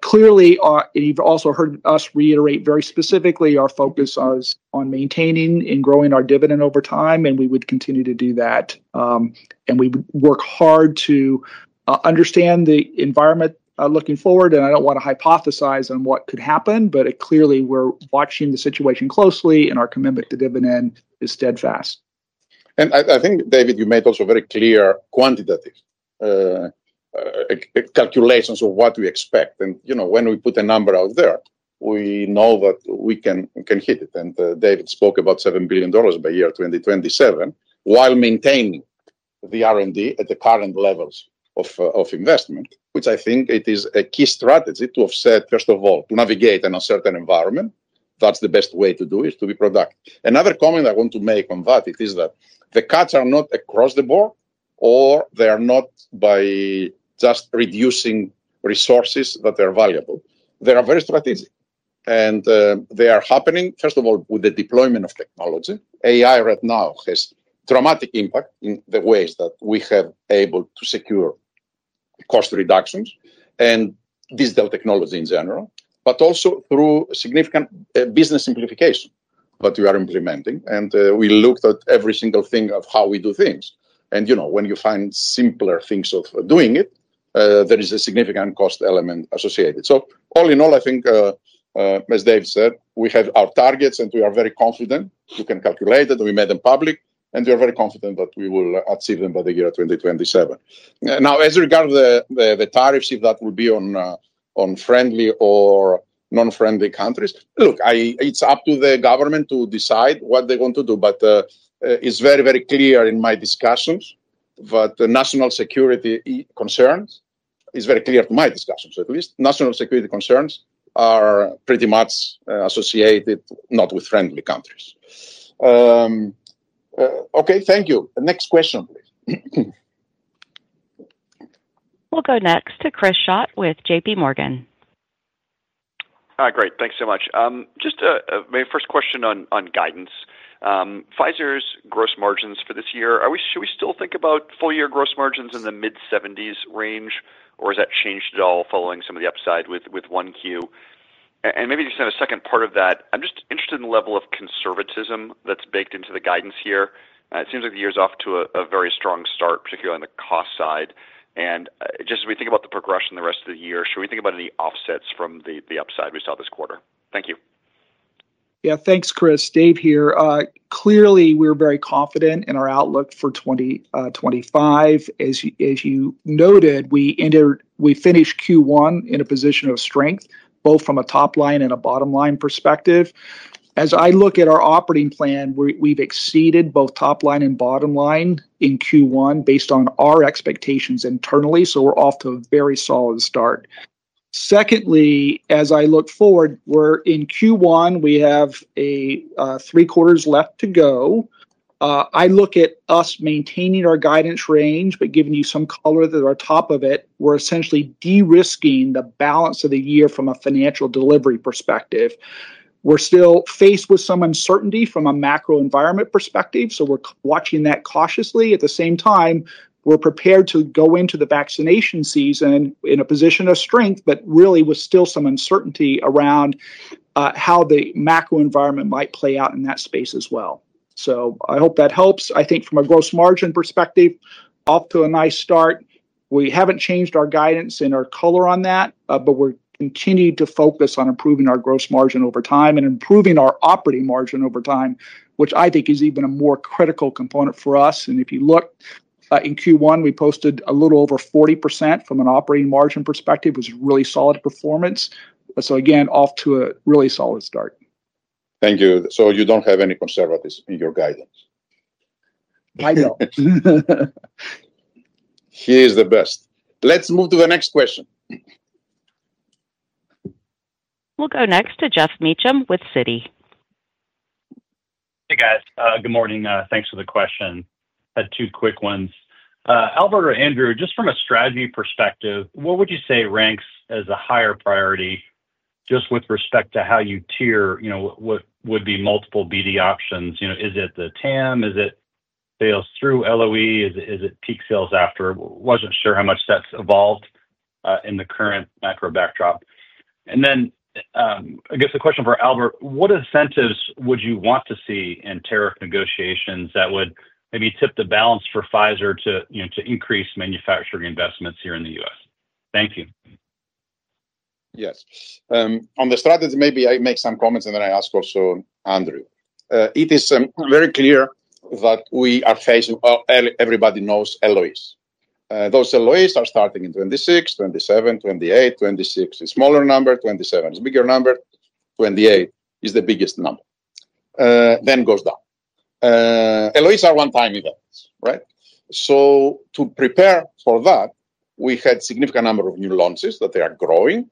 Clearly, you've also heard us reiterate very specifically our focus on maintaining and growing our dividend over time, and we would continue to do that. We would work hard to understand the environment looking forward. I don't want to hypothesize on what could happen, but clearly, we're watching the situation closely, and our commitment to dividend is steadfast. I think, David, you made also very clear quantitative calculations of what we expect. When we put a number out there, we know that we can hit it. David spoke about $7 billion by year 2027 while maintaining the R&D at the current levels of investment, which I think it is a key strategy to offset, first of all, to navigate an uncertain environment. That's the best way to do it, to be productive. Another comment I want to make on that is that the cuts are not across the board or they are not by just reducing resources that are valuable. They are very strategic. They are happening, first of all, with the deployment of technology. AI right now has a dramatic impact in the ways that we have been able to secure cost reductions and digital technology in general, but also through significant business simplification that we are implementing. We looked at every single thing of how we do things. When you find simpler things of doing it, there is a significant cost element associated. All in all, I think, as Dave said, we have our targets and we are very confident. You can calculate it. We made them public. We are very confident that we will achieve them by the year 2027. Now, as regards the tariffs, if that will be on friendly or non-friendly countries, look, it's up to the government to decide what they want to do. It is very, very clear in my discussions that national security concerns are pretty much associated not with friendly countries. Okay, thank you. Next question, please. We'll go next to Chris Schott with JP Morgan. Hi, great. Thanks so much. Just my first question on guidance. Pfizer's gross margins for this year, should we still think about full-year gross margins in the mid-70% range, or has that changed at all following some of the upside with OneQ? Maybe just in a second part of that, I'm just interested in the level of conservatism that's baked into the guidance here. It seems like the year's off to a very strong start, particularly on the cost side. Just as we think about the progression the rest of the year, should we think about any offsets from the upside we saw this quarter? Thank you. Yeah, thanks, Chris. Dave here. Clearly, we're very confident in our outlook for 2025. As you noted, we finished Q1 in a position of strength, both from a top-line and a bottom-line perspective. As I look at our operating plan, we've exceeded both top-line and bottom line in Q1 based on our expectations internally. We're off to a very solid start. Secondly, as I look forward, we're in Q1, we have three quarters left to go. I look at us maintaining our guidance range, but giving you some color that our top of it, we're essentially de-risking the balance of the year from a financial delivery perspective. We're still faced with some uncertainty from a macro-environment perspective. We're watching that cautiously. At the same time, we're prepared to go into the vaccination season in a position of strength, but really, with still some uncertainty around how the macro-environment might play out in that space as well. I hope that helps. I think from a gross margin perspective, off to a nice start. We haven't changed our guidance and our color on that, but we're continuing to focus on improving our gross margin over time and improving our operating margin over time, which I think is even a more critical component for us. If you look, in Q1, we posted a little over 40% from an operating margin perspective, which is a really solid performance. Again, off to a really solid start. Thank you. You don't have any conservatives in your guidance? I don't. He is the best. Let's move to the next question. We'll go next to Geoff Meacham with Citi. Hey, guys. Good morning. Thanks for the question. I had two quick ones. Albert or Andrew, just from a strategy perspective, what would you say ranks as a higher priority just with respect to how you tier what would be multiple BD options? Is it the TAM? Is it sales through LOE? Is it peak sales after? Wasn't sure how much that's evolved in the current macro backdrop. I guess the question for Albert, what incentives would you want to see in tariff negotiations that would maybe tip the balance for Pfizer to increase manufacturing investments here in the U.S.? Thank you. Yes. On the strategy, maybe I make some comments and then I ask also Andrew. It is very clear that we are facing, you know, everybody knows LOEs. Those LOEs are starting in 2026, 2027, 2028. 2026 is a smaller number. 2027 is a bigger number. 2028 is the biggest number. Then goes down. LOEs are one-time events, right? To prepare for that, we had a significant number of new launches that they are growing.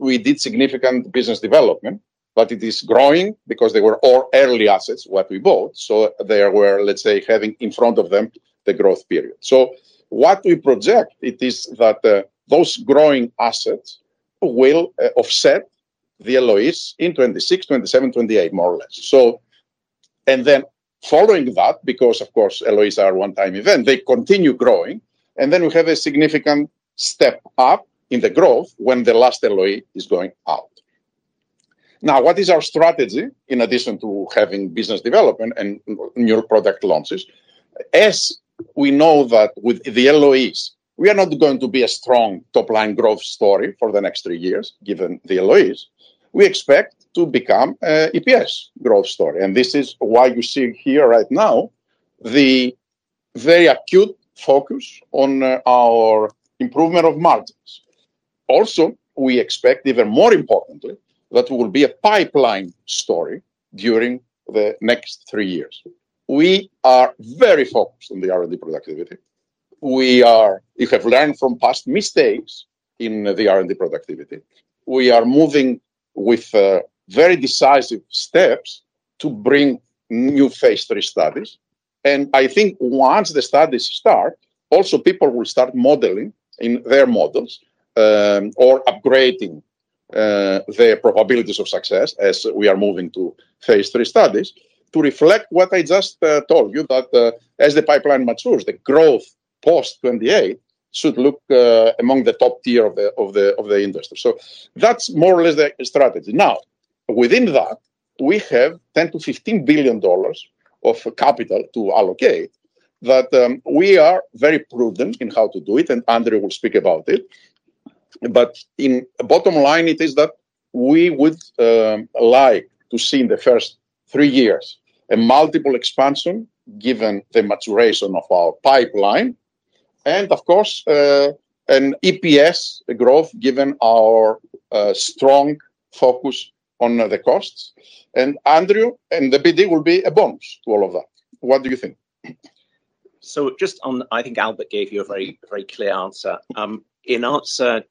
We did significant business development, but it is growing because they were all early assets what we bought. They were, let's say, having in front of them the growth period. What we project is that those growing assets will offset the LOEs in 2026, 2027, 2028, more or less. Following that, because of course, LOEs are a one-time event, they continue growing. We have a significant step up in the growth when the last LOE is going out. Now, what is our strategy in addition to having business development and new product launches? As we know that with the LOEs, we are not going to be a strong top-line growth story for the next three years, given the LOEs. We expect to become an EPS growth story. This is why you see here right now the very acute focus on our improvement of margins. Also, we expect, even more importantly, that there will be a pipeline story during the next three years. We are very focused on the R&D productivity. We have learned from past mistakes in the R&D productivity. We are moving with very decisive steps to bring new phase three studies. I think once the studies start, also people will start modeling in their models or upgrading their probabilities of success as we are moving to phase three studies to reflect what I just told you, that as the pipeline matures, the growth post-2028 should look among the top tier of the industry. That is more or less the strategy. Now, within that, we have $10 billion-$15 billion of capital to allocate that we are very prudent in how to do it. Andrew will speak about it. In bottom line, it is that we would like to see in the first three years a multiple expansion given the maturation of our pipeline. Of course, an EPS growth given our strong focus on the costs. Andrew and the BD will be a bonus to all of that. What do you think? Just on, I think Albert gave you a very clear answer. In answer,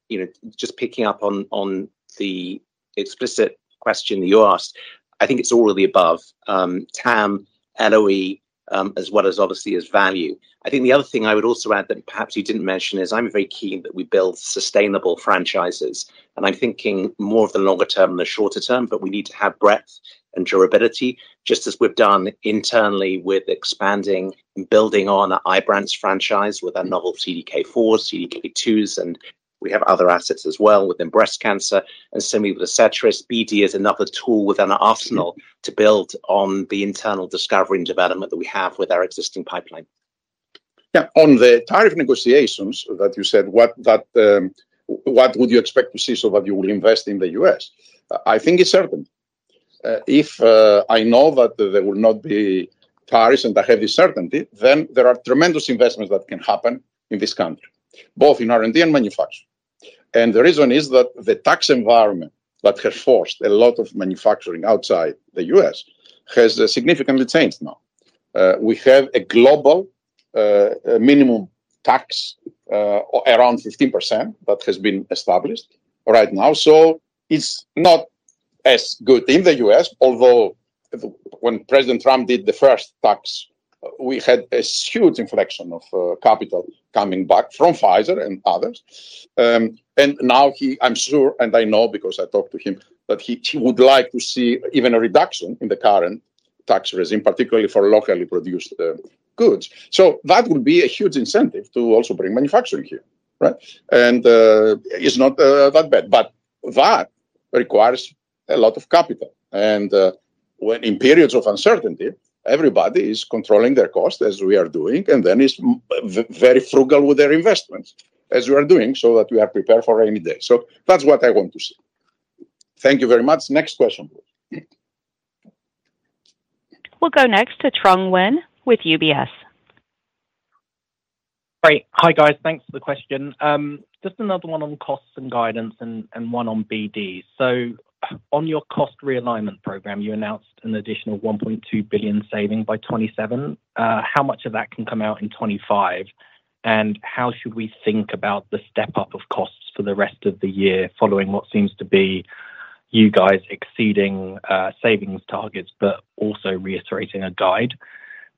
just picking up on the explicit question that you asked, I think it's all of the above. TAM, LOE, as well as obviously as value. I think the other thing I would also add that perhaps you didn't mention is I'm very keen that we build sustainable franchises. I'm thinking more of the longer term than the shorter term, but we need to have breadth and durability, just as we've done internally with expanding and building on the Ibrance franchise with our novel CDK4s, CDK2s, and we have other assets as well within breast cancer. Similarly with the Cetrus, BD is another tool within our arsenal to build on the internal discovery and development that we have with our existing pipeline. Yeah. On the tariff negotiations that you said, what would you expect to see so that you will invest in the U.S.? I think it's certain. If I know that there will not be tariffs and I have this certainty, then there are tremendous investments that can happen in this country, both in R&D and manufacturing. The reason is that the tax environment that has forced a lot of manufacturing outside the U.S. has significantly changed now. We have a global minimum tax around 15% that has been established right now. It's not as good in the U.S., although when President Trump did the first tax, we had a huge inflection of capital coming back from Pfizer and others. Now he, I'm sure, and I know because I talked to him, that he would like to see even a reduction in the current tax regime, particularly for locally produced goods. That would be a huge incentive to also bring manufacturing here, right? It's not that bad. That requires a lot of capital. In periods of uncertainty, everybody is controlling their cost, as we are doing, and is very frugal with their investments, as we are doing, so that we are prepared for a rainy day. That's what I want to see. Thank you very much. Next question, please. We'll go next to Trung Nguyen with UBS. Great. Hi, guys. Thanks for the question. Just another one on costs and guidance and one on BD. On your cost realignment program, you announced an additional $1.2 billion saving by 2027. How much of that can come out in 2025? And how should we think about the step-up of costs for the rest of the year following what seems to be you guys exceeding savings targets, but also reiterating a guide?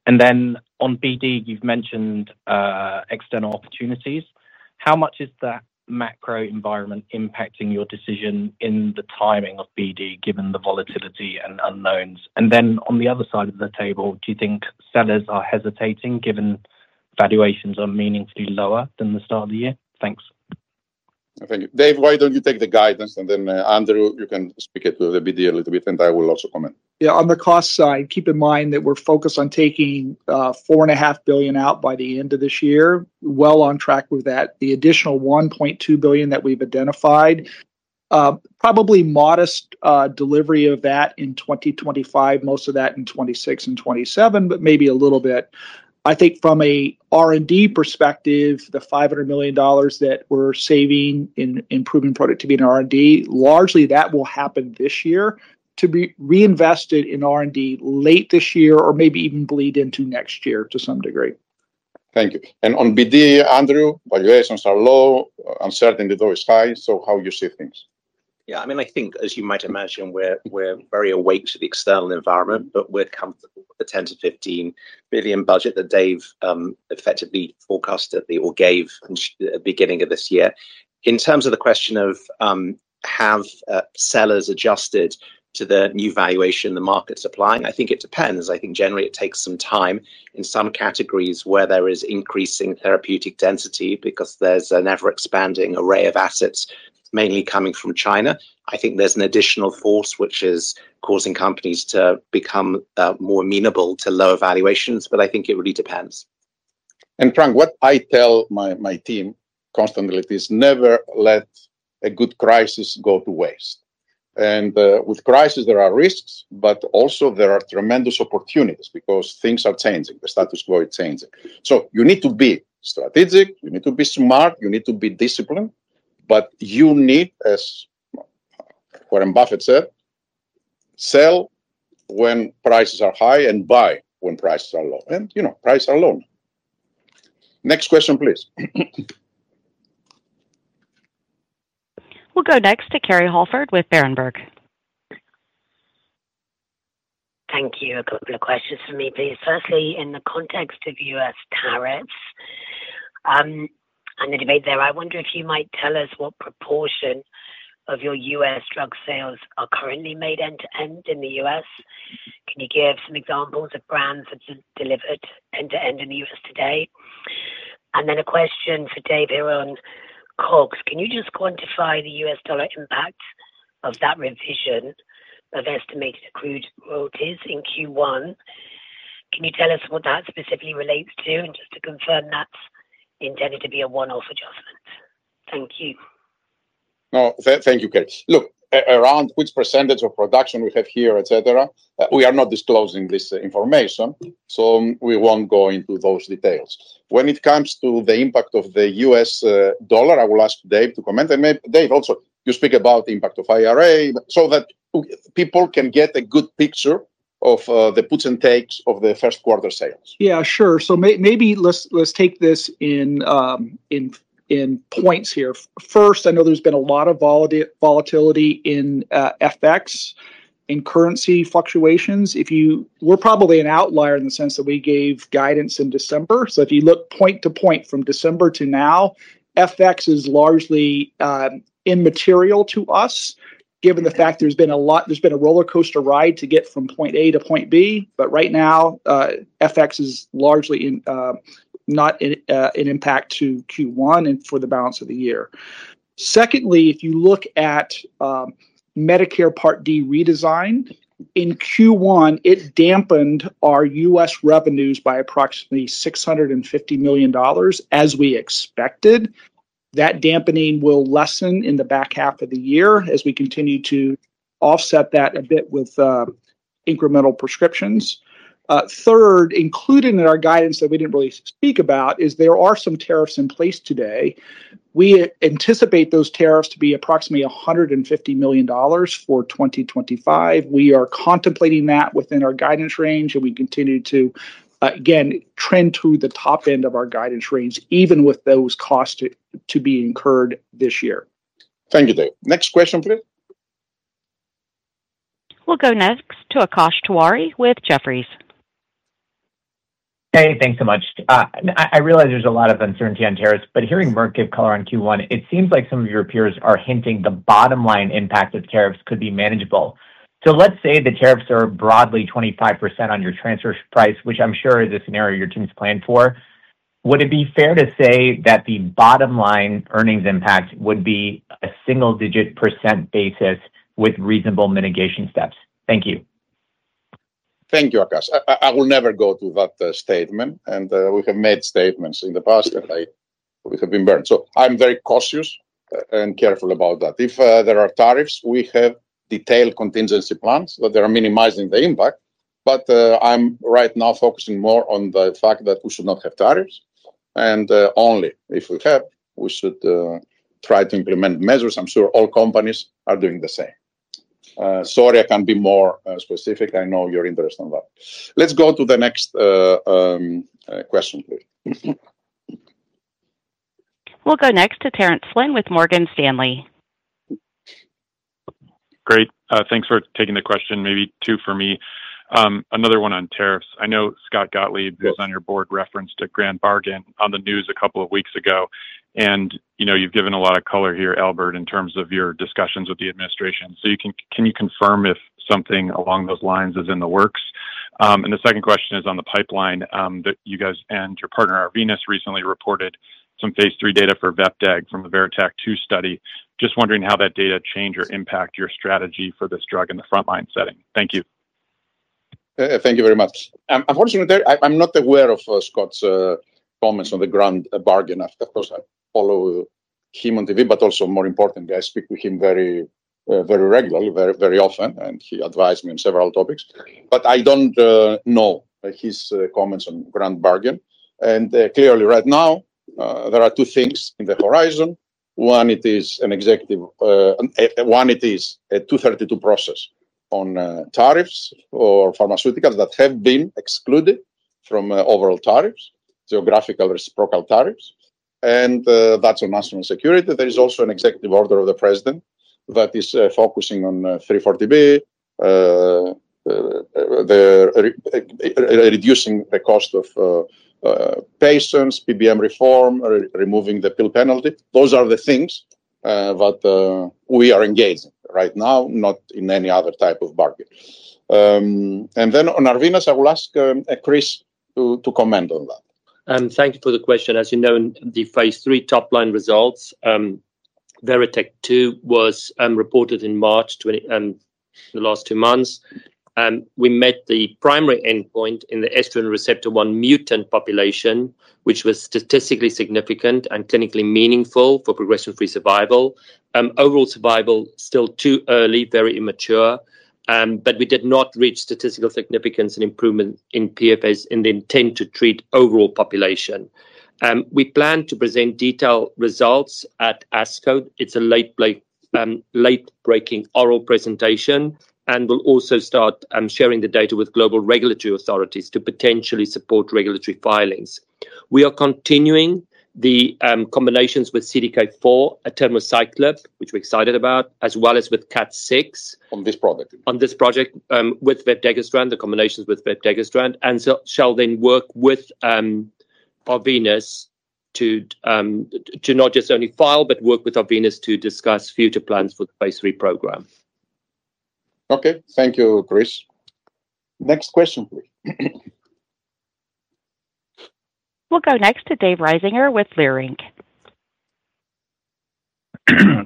And then on BD, you've mentioned external opportunities. How much is that macro-environment impacting your decision in the timing of BD, given the volatility and unknowns? And then on the other side of the table, do you think sellers are hesitating, given valuations are meaningfully lower than the start of the year? Thanks. Okay. Dave, why don't you take the guidance? And then Andrew, you can speak to the BD a little bit, and I will also comment. Yeah. On the cost side, keep in mind that we're focused on taking $4.5 billion out by the end of this year. Well on track with that. The additional $1.2 billion that we've identified, probably modest delivery of that in 2025, most of that in 2026 and 2027, but maybe a little bit. I think from an R&D perspective, the $500 million that we're saving in improving productivity in R&D, largely that will happen this year to be reinvested in R&D late this year or maybe even bleed into next year to some degree. Thank you. On BD, Andrew, valuations are low. Uncertainty though is high. How do you see things? Yeah. I mean, I think, as you might imagine, we're very awake to the external environment, but we're comfortable with the $10 billion-$15 billion budget that Dave effectively forecasted or gave at the beginning of this year. In terms of the question of have sellers adjusted to the new valuation the market's applying, I think it depends. I think generally it takes some time in some categories where there is increasing therapeutic density because there's an ever-expanding array of assets, mainly coming from China. I think there's an additional force which is causing companies to become more amenable to lower valuations, but I think it really depends. Chung, what I tell my team constantly is never let a good crisis go to waste. With crises, there are risks, but also there are tremendous opportunities because things are changing. The status quo is changing. You need to be strategic. You need to be smart. You need to be disciplined. You need, as Warren Buffett said, sell when prices are high and buy when prices are low. Prices are low. Next question, please. We'll go next to Kerry Holford with Berenberg. Thank you. A couple of questions for me, please. Firstly, in the context of U.S. tariffs and the debate there, I wonder if you might tell us what proportion of your U.S. drug sales are currently made end-to-end in the U.S.. Can you give some examples of brands that delivered end-to-end in the U.S. today? A question for Dave here on COGS. Can you just quantify the U.S. dollar impact of that revision of estimated accrued royalties in Q1? Can you tell us what that specifically relates to? Just to confirm, that's intended to be a one-off adjustment. Thank you. No, thank you, Kerry. Look, around which percentage of production we have here, etc., we are not disclosing this information, so we won't go into those details. When it comes to the impact of the U.S. dollar, I will ask Dave to comment. Dave, also, you speak about the impact of IRA so that people can get a good picture of the puts and takes of the first quarter sales. Yeah, sure. Maybe let's take this in points here. First, I know there's been a lot of volatility in FX and currency fluctuations. We're probably an outlier in the sense that we gave guidance in December. If you look point to point from December to now, FX is largely immaterial to us, given the fact there's been a roller coaster ride to get from point A to point B. Right now, FX is largely not an impact to Q1 and for the balance of the year. Secondly, if you look at Medicare Part D redesign, in Q1, it dampened our U.S. revenues by approximately $650 million, as we expected. That dampening will lessen in the back half of the year as we continue to offset that a bit with incremental prescriptions. Third, included in our guidance that we did not really speak about is there are some tariffs in place today. We anticipate those tariffs to be approximately $150 million for 2025. We are contemplating that within our guidance range, and we continue to, again, trend to the top end of our guidance range, even with those costs to be incurred this year. Thank you, Dave. Next question, please. We will go next to Akash Tewari with Jefferies. Hey, thanks so much. I realize there is a lot of uncertainty on tariffs, but hearing Merck give color on Q1, it seems like some of your peers are hinting the bottom line impact of tariffs could be manageable. Let's say the tariffs are broadly 25% on your transfer price, which I'm sure is a scenario your team's planned for. Would it be fair to say that the bottom line earnings impact would be a single-digit % basis with reasonable mitigation steps? Thank you. Thank you, Akash. I will never go to that statement. We have made statements in the past that we have been burned. I am very cautious and careful about that. If there are tariffs, we have detailed contingency plans that are minimizing the impact. I am right now focusing more on the fact that we should not have tariffs. Only if we have, we should try to implement measures. I am sure all companies are doing the same. Sorry, I can't be more specific. I know you're interested in that. Let's go to the next question, please. We'll go next to Terence Flynn with Morgan Stanley. Great. Thanks for taking the question. Maybe two for me. Another one on tariffs. I know Scott Gottlieb, who's on your board, referenced a grand bargain on the news a couple of weeks ago. You've given a lot of color here, Albert, in terms of your discussions with the administration. Can you confirm if something along those lines is in the works? The second question is on the pipeline that you guys and your partner, Arvinas, recently reported some phase 3 data for Vepdegestrant from the VERITAC-2 study. Just wondering how that data changed or impacted your strategy for this drug in the frontline setting. Thank you. Thank you very much. Unfortunately, I'm not aware of Scott's comments on the grand bargain. Of course, I follow him on TV, but also more importantly, I speak with him very regularly, very often, and he advised me on several topics. I don't know his comments on grand bargain. Clearly, right now, there are two things in the horizon. One, it is an executive one, it is a 232 process on tariffs or pharmaceuticals that have been excluded from overall tariffs, geographical reciprocal tariffs. That's on national security. There is also an executive order of the president that is focusing on 340B, reducing the cost of patients, PBM reform, removing the pill penalty. Those are the things that we are engaged in right now, not in any other type of bargain. On Arvinas, I will ask Chris to comment on that. Thank you for the question. As you know, the phase three top-line results, Veritech 2 was reported in March in the last two months. We met the primary endpoint in the estrogen receptor 1 mutant population, which was statistically significant and clinically meaningful for progression-free survival. Overall survival still too early, very immature. We did not reach statistical significance and improvement in PFAs in the intent to treat overall population. We plan to present detailed results at ASCO. It's a late-breaking oral presentation. We will also start sharing the data with global regulatory authorities to potentially support regulatory filings. We are continuing the combinations with CDK4, atenomicyclib, which we're excited about, as well as with CAT6. On this project with Vepdegestrant, the combinations with Vepdegestrant. We shall then work with Arvinas to not just only file, but work with Arvinas to discuss future plans for the phase three program. Okay. Thank you, Chris. Next question, please. We'll go next to Dave Risinger with Leerink.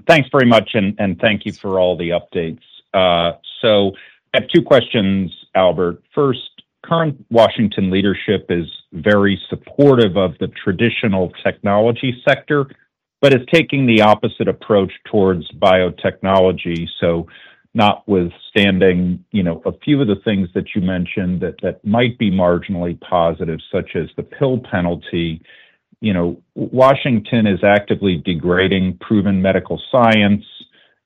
Thanks very much, and thank you for all the updates. I have two questions, Albert. First, current Washington leadership is very supportive of the traditional technology sector, but is taking the opposite approach towards biotechnology. Notwithstanding a few of the things that you mentioned that might be marginally positive, such as the pill penalty, Washington is actively degrading proven medical science,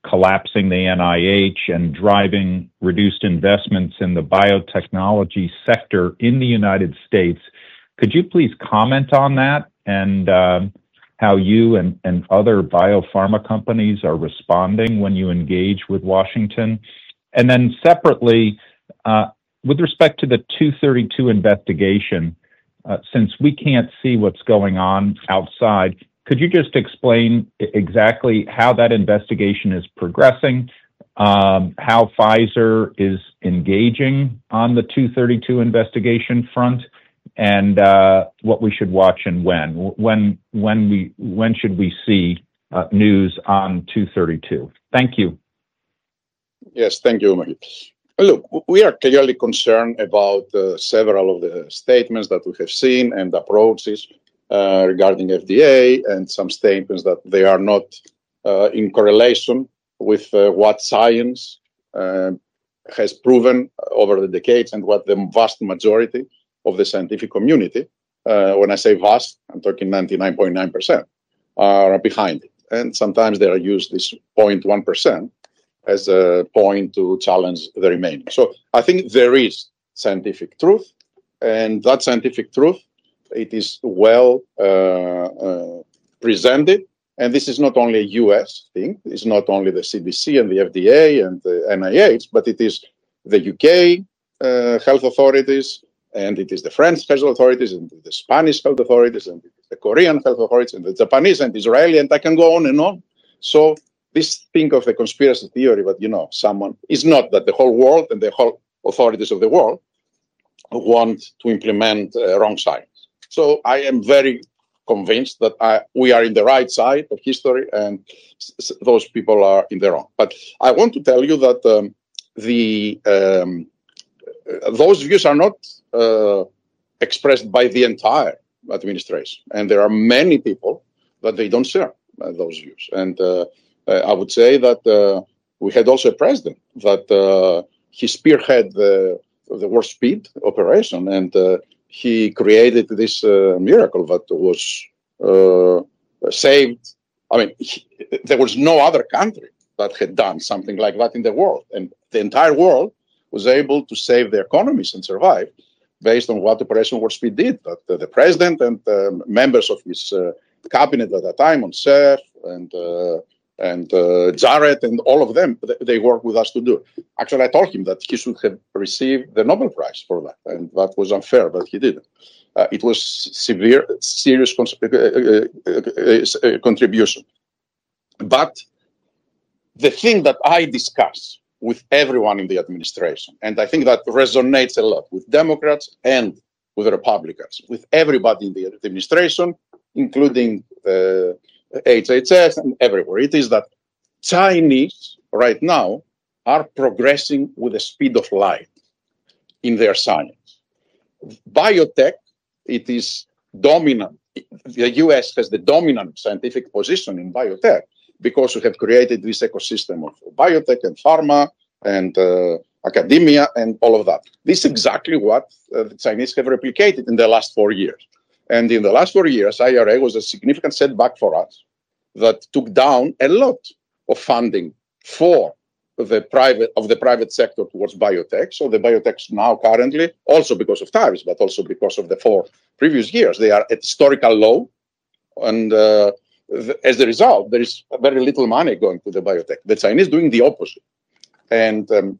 collapsing the NIH, and driving reduced investments in the biotechnology sector in the United States. Could you please comment on that and how you and other biopharma companies are responding when you engage with Washington? Then separately, with respect to the 232 investigation, since we can't see what's going on outside, could you just explain exactly how that investigation is progressing, how Pfizer is engaging on the 232 investigation front, and what we should watch and when? When should we see news on 232? Thank you. Yes, thank you, Merck. Look, we are clearly concerned about several of the statements that we have seen and approaches regarding FDA and some statements that they are not in correlation with what science has proven over the decades and what the vast majority of the scientific community—when I say vast, I'm talking 99.9%—are behind it. Sometimes they use this 0.1% as a point to challenge the remainder. I think there is scientific truth. That scientific truth, it is well presented. This is not only a U.S. thing. It's not only the CDC and the FDA and the NIH, but it is the U.K. health authorities, and it is the French health authorities, and the Spanish health authorities, and the Korean health authorities, and the Japanese and the Israeli, and I can go on and on. This thing of the conspiracy theory that someone is not that the whole world and the whole authorities of the world want to implement wrong science. I am very convinced that we are on the right side of history, and those people are in the wrong. I want to tell you that those views are not expressed by the entire administration. There are many people that they don't share those views. I would say that we had also a president that spearheaded the war speed operation, and he created this miracle that was saved. I mean, there was no other country that had done something like that in the world. The entire world was able to save their economies and survive based on what Operation Warp Speed did. The president and members of his cabinet at the time, on SEF and Jared and all of them, they worked with us to do it. Actually, I told him that he should have received the Nobel Prize for that. That was unfair, but he did not. It was a serious contribution. The thing that I discuss with everyone in the administration, and I think that resonates a lot with Democrats and with Republicans, with everybody in the administration, including HHS and everywhere, is that Chinese right now are progressing with the speed of light in their science. Biotech, it is dominant. The U.S. has the dominant scientific position in biotech because we have created this ecosystem of biotech and pharma and academia and all of that. This is exactly what the Chinese have replicated in the last four years. In the last four years, IRA was a significant setback for us that took down a lot of funding of the private sector towards biotech. The biotech now currently, also because of tariffs, but also because of the four previous years, they are at historical low. As a result, there is very little money going to the biotech. The Chinese are doing the opposite.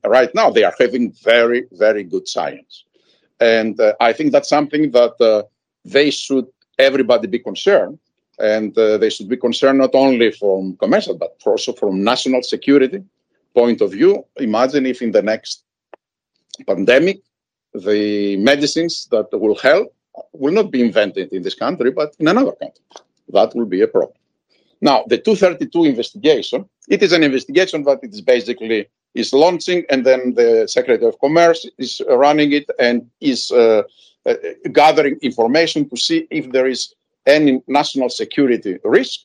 Right now, they are having very, very good science. I think that's something that everybody should be concerned. They should be concerned not only from commercial, but also from a national security point of view. Imagine if in the next pandemic, the medicines that will help will not be invented in this country, but in another country. That will be a problem. Now, the 232 investigation, it is an investigation that is basically launching, and then the Secretary of Commerce is running it and is gathering information to see if there is any national security risk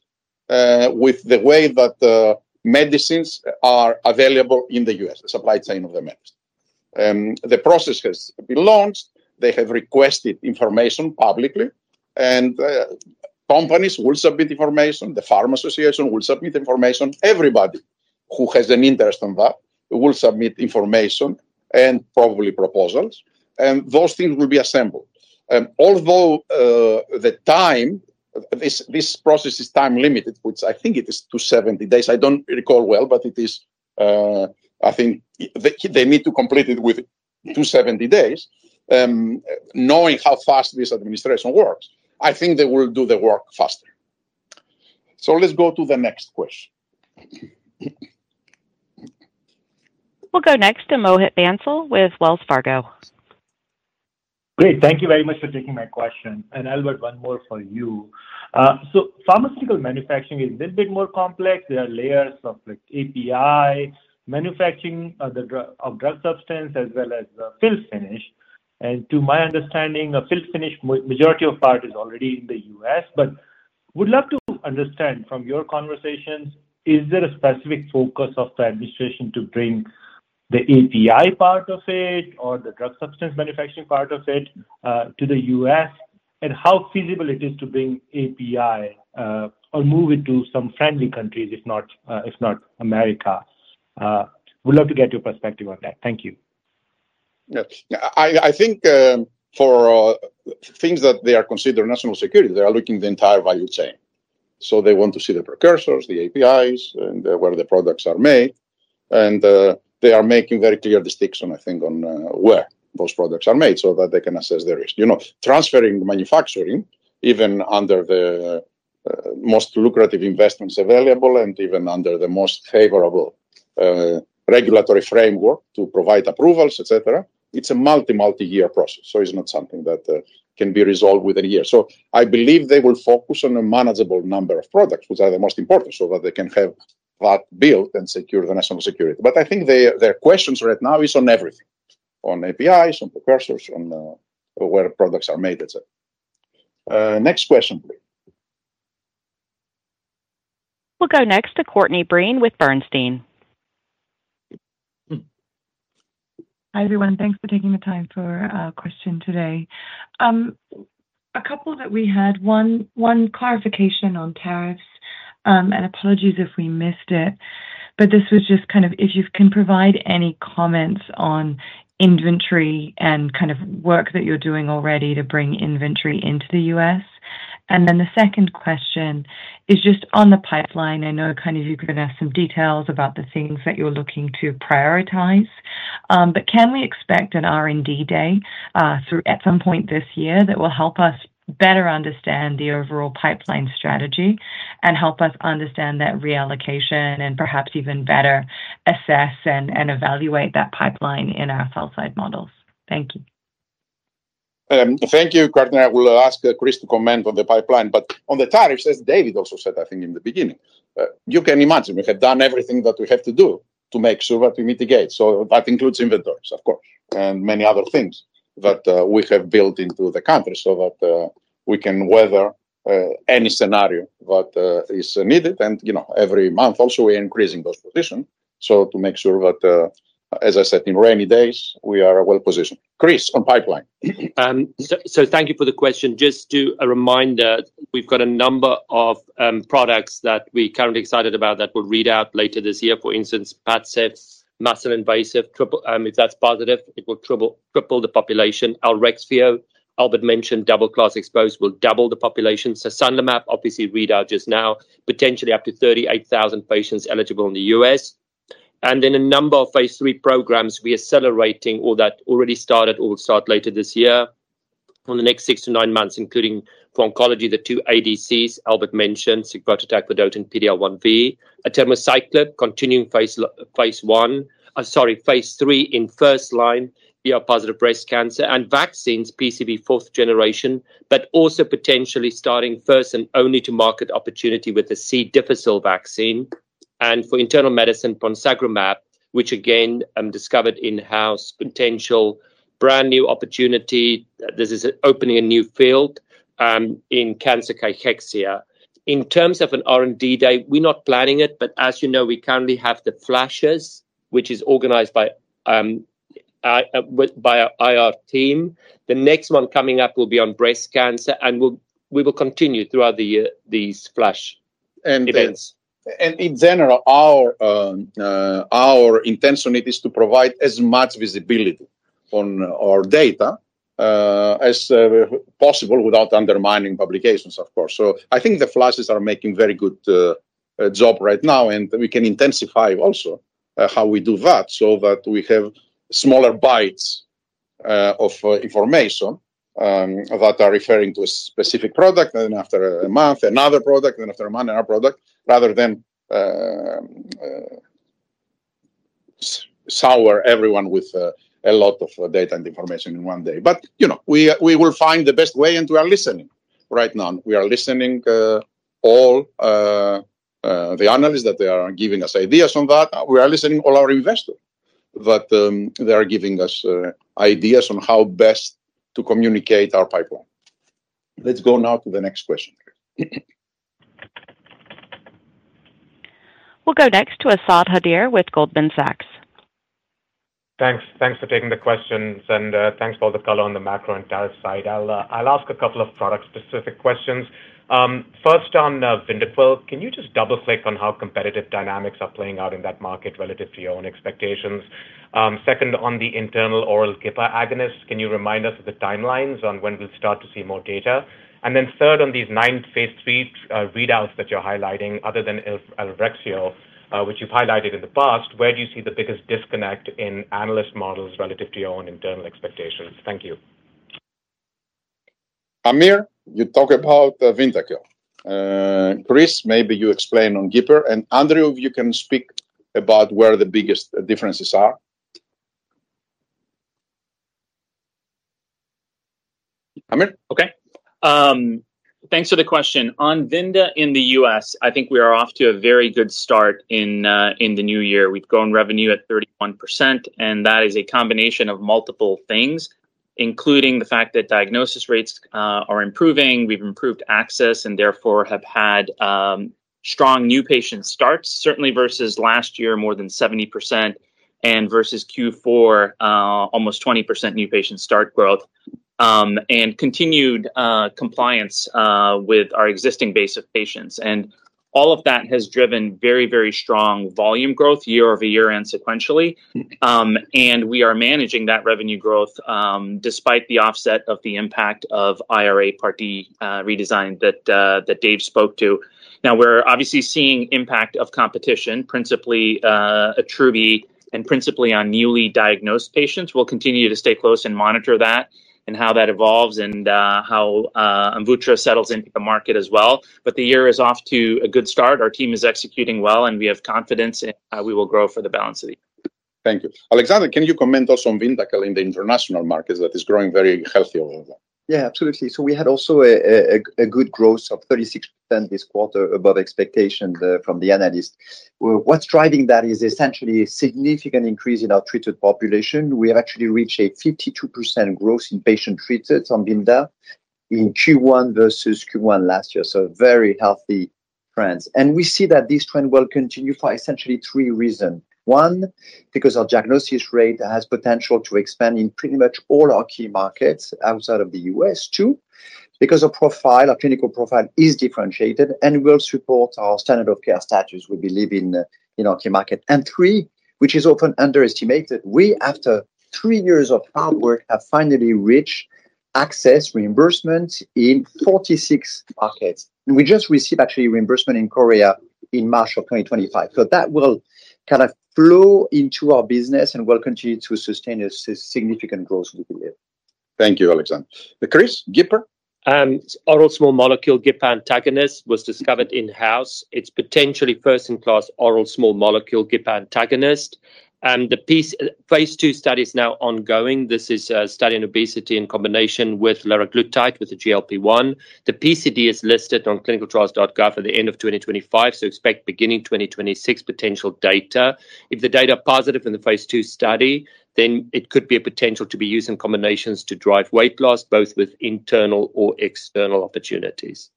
with the way that medicines are available in the U.S., the supply chain of the medicine. The process has been launched. They have requested information publicly. Companies will submit information. The Pharma Association will submit information. Everybody who has an interest in that will submit information and probably proposals. Those things will be assembled. Although the time, this process is time-limited, which I think it is 270 days. I do not recall well, but it is, I think they need to complete it within 270 days. Knowing how fast this administration works, I think they will do the work faster. Let's go to the next question. We'll go next to Mohit Bansal with Wells Fargo. Great. Thank you very much for taking my question. Albert, one more for you. Pharmaceutical manufacturing is a little bit more complex. There are layers of API manufacturing of drug substance as well as fill finish. To my understanding, a fill finish, majority of part is already in the U.S. Would love to understand from your conversations, is there a specific focus of the administration to bring the API part of it or the drug substance manufacturing part of it to the U.S.? How feasible is it to bring API or move it to some friendly countries, if not America? We'd love to get your perspective on that. Thank you. Yeah. I think for things that they are considering national security, they are looking at the entire value chain. They want to see the precursors, the APIs, and where the products are made. They are making very clear distinctions, I think, on where those products are made so that they can assess the risk. Transferring manufacturing, even under the most lucrative investments available and even under the most favorable regulatory framework to provide approvals, etc., is a multi-multi-year process. It is not something that can be resolved within a year. I believe they will focus on a manageable number of products, which are the most important so that they can have that built and secure the national security. I think their questions right now are on everything, on APIs, on precursors, on where products are made, etc. Next question, please. We'll go next to Courtney Breen with Bernstein. Hi, everyone. Thanks for taking the time for a question today. A couple that we had, one clarification on tariffs. Apologies if we missed it. This was just kind of if you can provide any comments on inventory and kind of work that you're doing already to bring inventory into the U.S.. The second question is just on the pipeline. I know kind of you've given us some details about the things that you're looking to prioritize. Can we expect an R&D day at some point this year that will help us better understand the overall pipeline strategy and help us understand that reallocation and perhaps even better assess and evaluate that pipeline in our falsified models? Thank you. Thank you, Courtney. I will ask Chris to comment on the pipeline. On the tariffs, as David also said, I think in the beginning, you can imagine we have done everything that we have to do to make sure that we mitigate. That includes inventories, of course, and many other things that we have built into the country so that we can weather any scenario that is needed. Every month also, we are increasing those positions to make sure that, as I said, in rainy days, we are well positioned. Chris, on pipeline. Thank you for the question. Just to remind that we've got a number of products that we're currently excited about that will read out later this year. For instance, Padcev, muscle invasive. If that's positive, it will triple the population. Our Abrysvo, Albert mentioned, double class exposed, will double the population. SandlerMap, obviously, read out just now, potentially up to 38,000 patients eligible in the U.S.. A number of phase three programs, we're accelerating all that already started, will start later this year in the next six to nine months, including for oncology, the two ADCs Albert mentioned, Sigvotatug Vedotin and PD-L1V. Atenomicyclib, continuing phase three in first-line, positive breast cancer. Vaccines, PCV fourth generation, but also potentially starting first and only to market opportunity with the C. difficile vaccine. For internal medicine, Ponsegromab, which again, discovered in-house, potential brand new opportunity. This is opening a new field in cancer cachexia. In terms of an R&D day, we're not planning it. As you know, we currently have the flashes, which is organized by our team. The next one coming up will be on breast cancer. We will continue throughout these flash events. In general, our intention is to provide as much visibility on our data as possible without undermining publications, of course. I think the flashes are making a very good job right now. We can intensify also how we do that so that we have smaller bites of information that are referring to a specific product. Then after a month, another product. Then after a month, another product, rather than sour everyone with a lot of data and information in one day. We will find the best way. We are listening right now. We are listening to all the analysts that are giving us ideas on that. We are listening to all our investors that they are giving us ideas on how best to communicate our pipeline. Let's go now to the next question. We'll go next to Asad Haider with Goldman Sachs. Thanks for taking the questions. Thanks for all the color on the macro and tariff side. I'll ask a couple of product-specific questions. First, on Vyndaqel, can you just double-click on how competitive dynamics are playing out in that market relative to your own expectations? Second, on the internal oral GIPR agonists, can you remind us of the timelines on when we'll start to see more data? Third, on these nine phase three readouts that you're highlighting, other than Lorbrena, which you've highlighted in the past, where do you see the biggest disconnect in analyst models relative to your own internal expectations? Thank you. Aamir, you talk about Vyndaqel. Chris, maybe you explain on GIPR. Andrew, if you can speak about where the biggest differences are. Aamir? Okay. Thanks for the question. On Vyndaqel in the U.S., I think we are off to a very good start in the new year. We've grown revenue at 31%. That is a combination of multiple things, including the fact that diagnosis rates are improving. We've improved access and therefore have had strong new patient starts, certainly versus last year, more than 70%, and versus Q4, almost 20% new patient start growth, and continued compliance with our existing base of patients. All of that has driven very, very strong volume growth year over year and sequentially. We are managing that revenue growth despite the offset of the impact of IRA Part D redesign that Dave spoke to. Now, we're obviously seeing impact of competition, principally at Trulicity and principally on newly diagnosed patients. We'll continue to stay close and monitor that and how that evolves and how Amvutra settles into the market as well. The year is off to a good start. Our team is executing well. We have confidence. We will grow for the balance of the year. Thank you. Alexandre, can you comment also on Vyndaqel in the international markets that is growing very healthy overall? Yeah, absolutely. We had also a good growth of 36% this quarter above expectations from the analyst. What's driving that is essentially a significant increase in our treated population. We have actually reached a 52% growth in patient treated on Vyndaqel in Q1 versus Q1 last year. Very healthy trends. We see that this trend will continue for essentially three reasons. One, because our diagnosis rate has potential to expand in pretty much all our key markets outside of the U.S.. Two, because our clinical profile is differentiated and will support our standard of care status we believe in our key market. Three, which is often underestimated, we, after three years of hard work, have finally reached access reimbursement in 46 markets. We just received actually reimbursement in Korea in March of 2025. That will kind of flow into our business and will continue to sustain a significant growth, we believe. Thank you, Alexandre. Chris, GIPR? Oral small molecule GIPR antagonist was discovered in-house. It's potentially first-in-class oral small molecule GIPR antagonist. The phase two study is now ongoing. This is a study in obesity in combination with liraglutide with the GLP-1. The PCD is listed on clinicaltrials.gov at the end of 2025. Expect beginning 2026 potential data. If the data are positive in the phase two study, then it could be a potential to be used in combinations to drive weight loss, both with internal or external opportunities.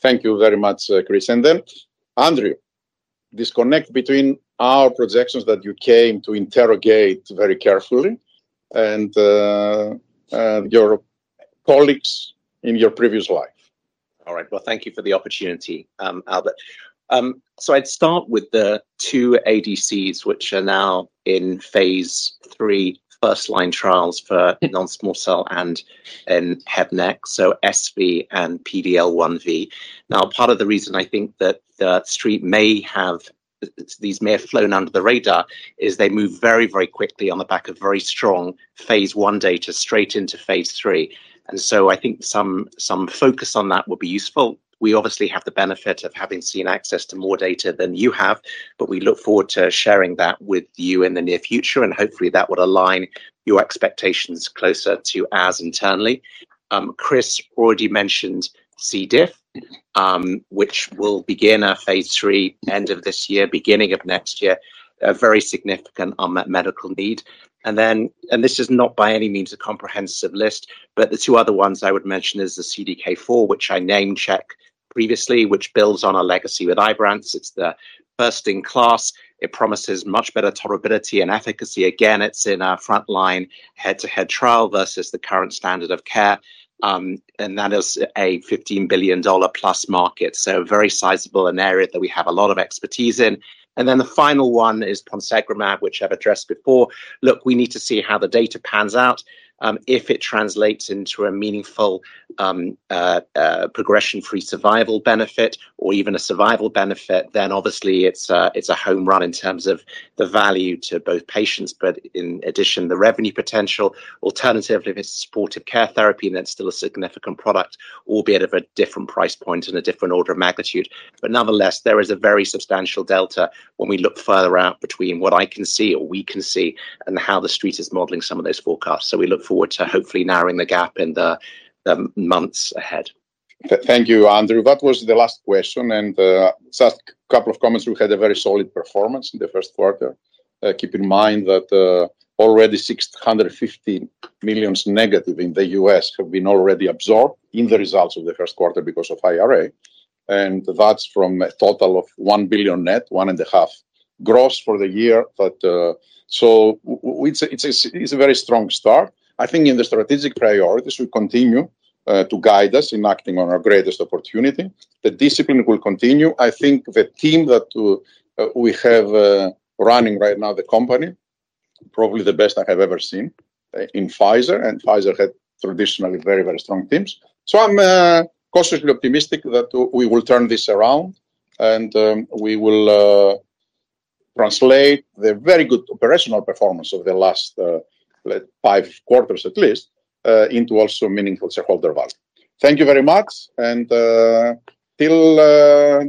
Thank you very much, Chris. Then, Andrew, disconnect between our projections that you came to interrogate very carefully and your colleagues in your previous life. All right. Thank you for the opportunity, Albert. I'd start with the two ADCs, which are now in phase three first-line trials for non-small cell and HEBnext, so SV and PD-L1V. Part of the reason I think that the street may have these may have flown under the radar is they move very, very quickly on the back of very strong phase one data straight into phase three. I think some focus on that would be useful. We obviously have the benefit of having seen access to more data than you have, but we look forward to sharing that with you in the near future. Hopefully, that would align your expectations closer to ours internally. Chris already mentioned C. diff, which will begin at phase three end of this year, beginning of next year, very significant on that medical need. This is not by any means a comprehensive list, but the two other ones I would mention is the CDK4, which I name-checked previously, which builds on our legacy with Ibrance. It's the first in class. It promises much better tolerability and efficacy. Again, it's in our front-line head-to-head trial versus the current standard of care. That is a $15 billion-plus market. Very sizable, an area that we have a lot of expertise in. The final one is Ponsegromab, which I've addressed before. Look, we need to see how the data pans out. If it translates into a meaningful progression-free survival benefit or even a survival benefit, then obviously, it's a home run in terms of the value to both patients, but in addition, the revenue potential. Alternatively, if it's supportive care therapy, then it's still a significant product, albeit of a different price point and a different order of magnitude. Nonetheless, there is a very substantial delta when we look further out between what I can see or we can see and how the street is modeling some of those forecasts. We look forward to hopefully narrowing the gap in the months ahead. Thank you, Andrew. That was the last question. Just a couple of comments. We had a very solid performance in the first quarter. Keep in mind that already $650 million negative in the U.S. have been already absorbed in the results of the first quarter because of IRA. And that's from a total of $1 billion net, $1.5 billion gross for the year. It is a very strong start. I think in the strategic priorities, we continue to guide us in acting on our greatest opportunity. The discipline will continue. I think the team that we have running right now, the company, probably the best I have ever seen in Pfizer. Pfizer had traditionally very, very strong teams. I am cautiously optimistic that we will turn this around. We will translate the very good operational performance of the last five quarters, at least, into also meaningful shareholder value. Thank you very much. Till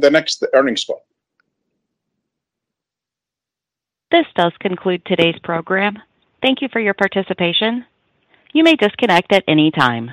the next earnings call. This does conclude today's program. Thank you for your participation. You may disconnect at any time.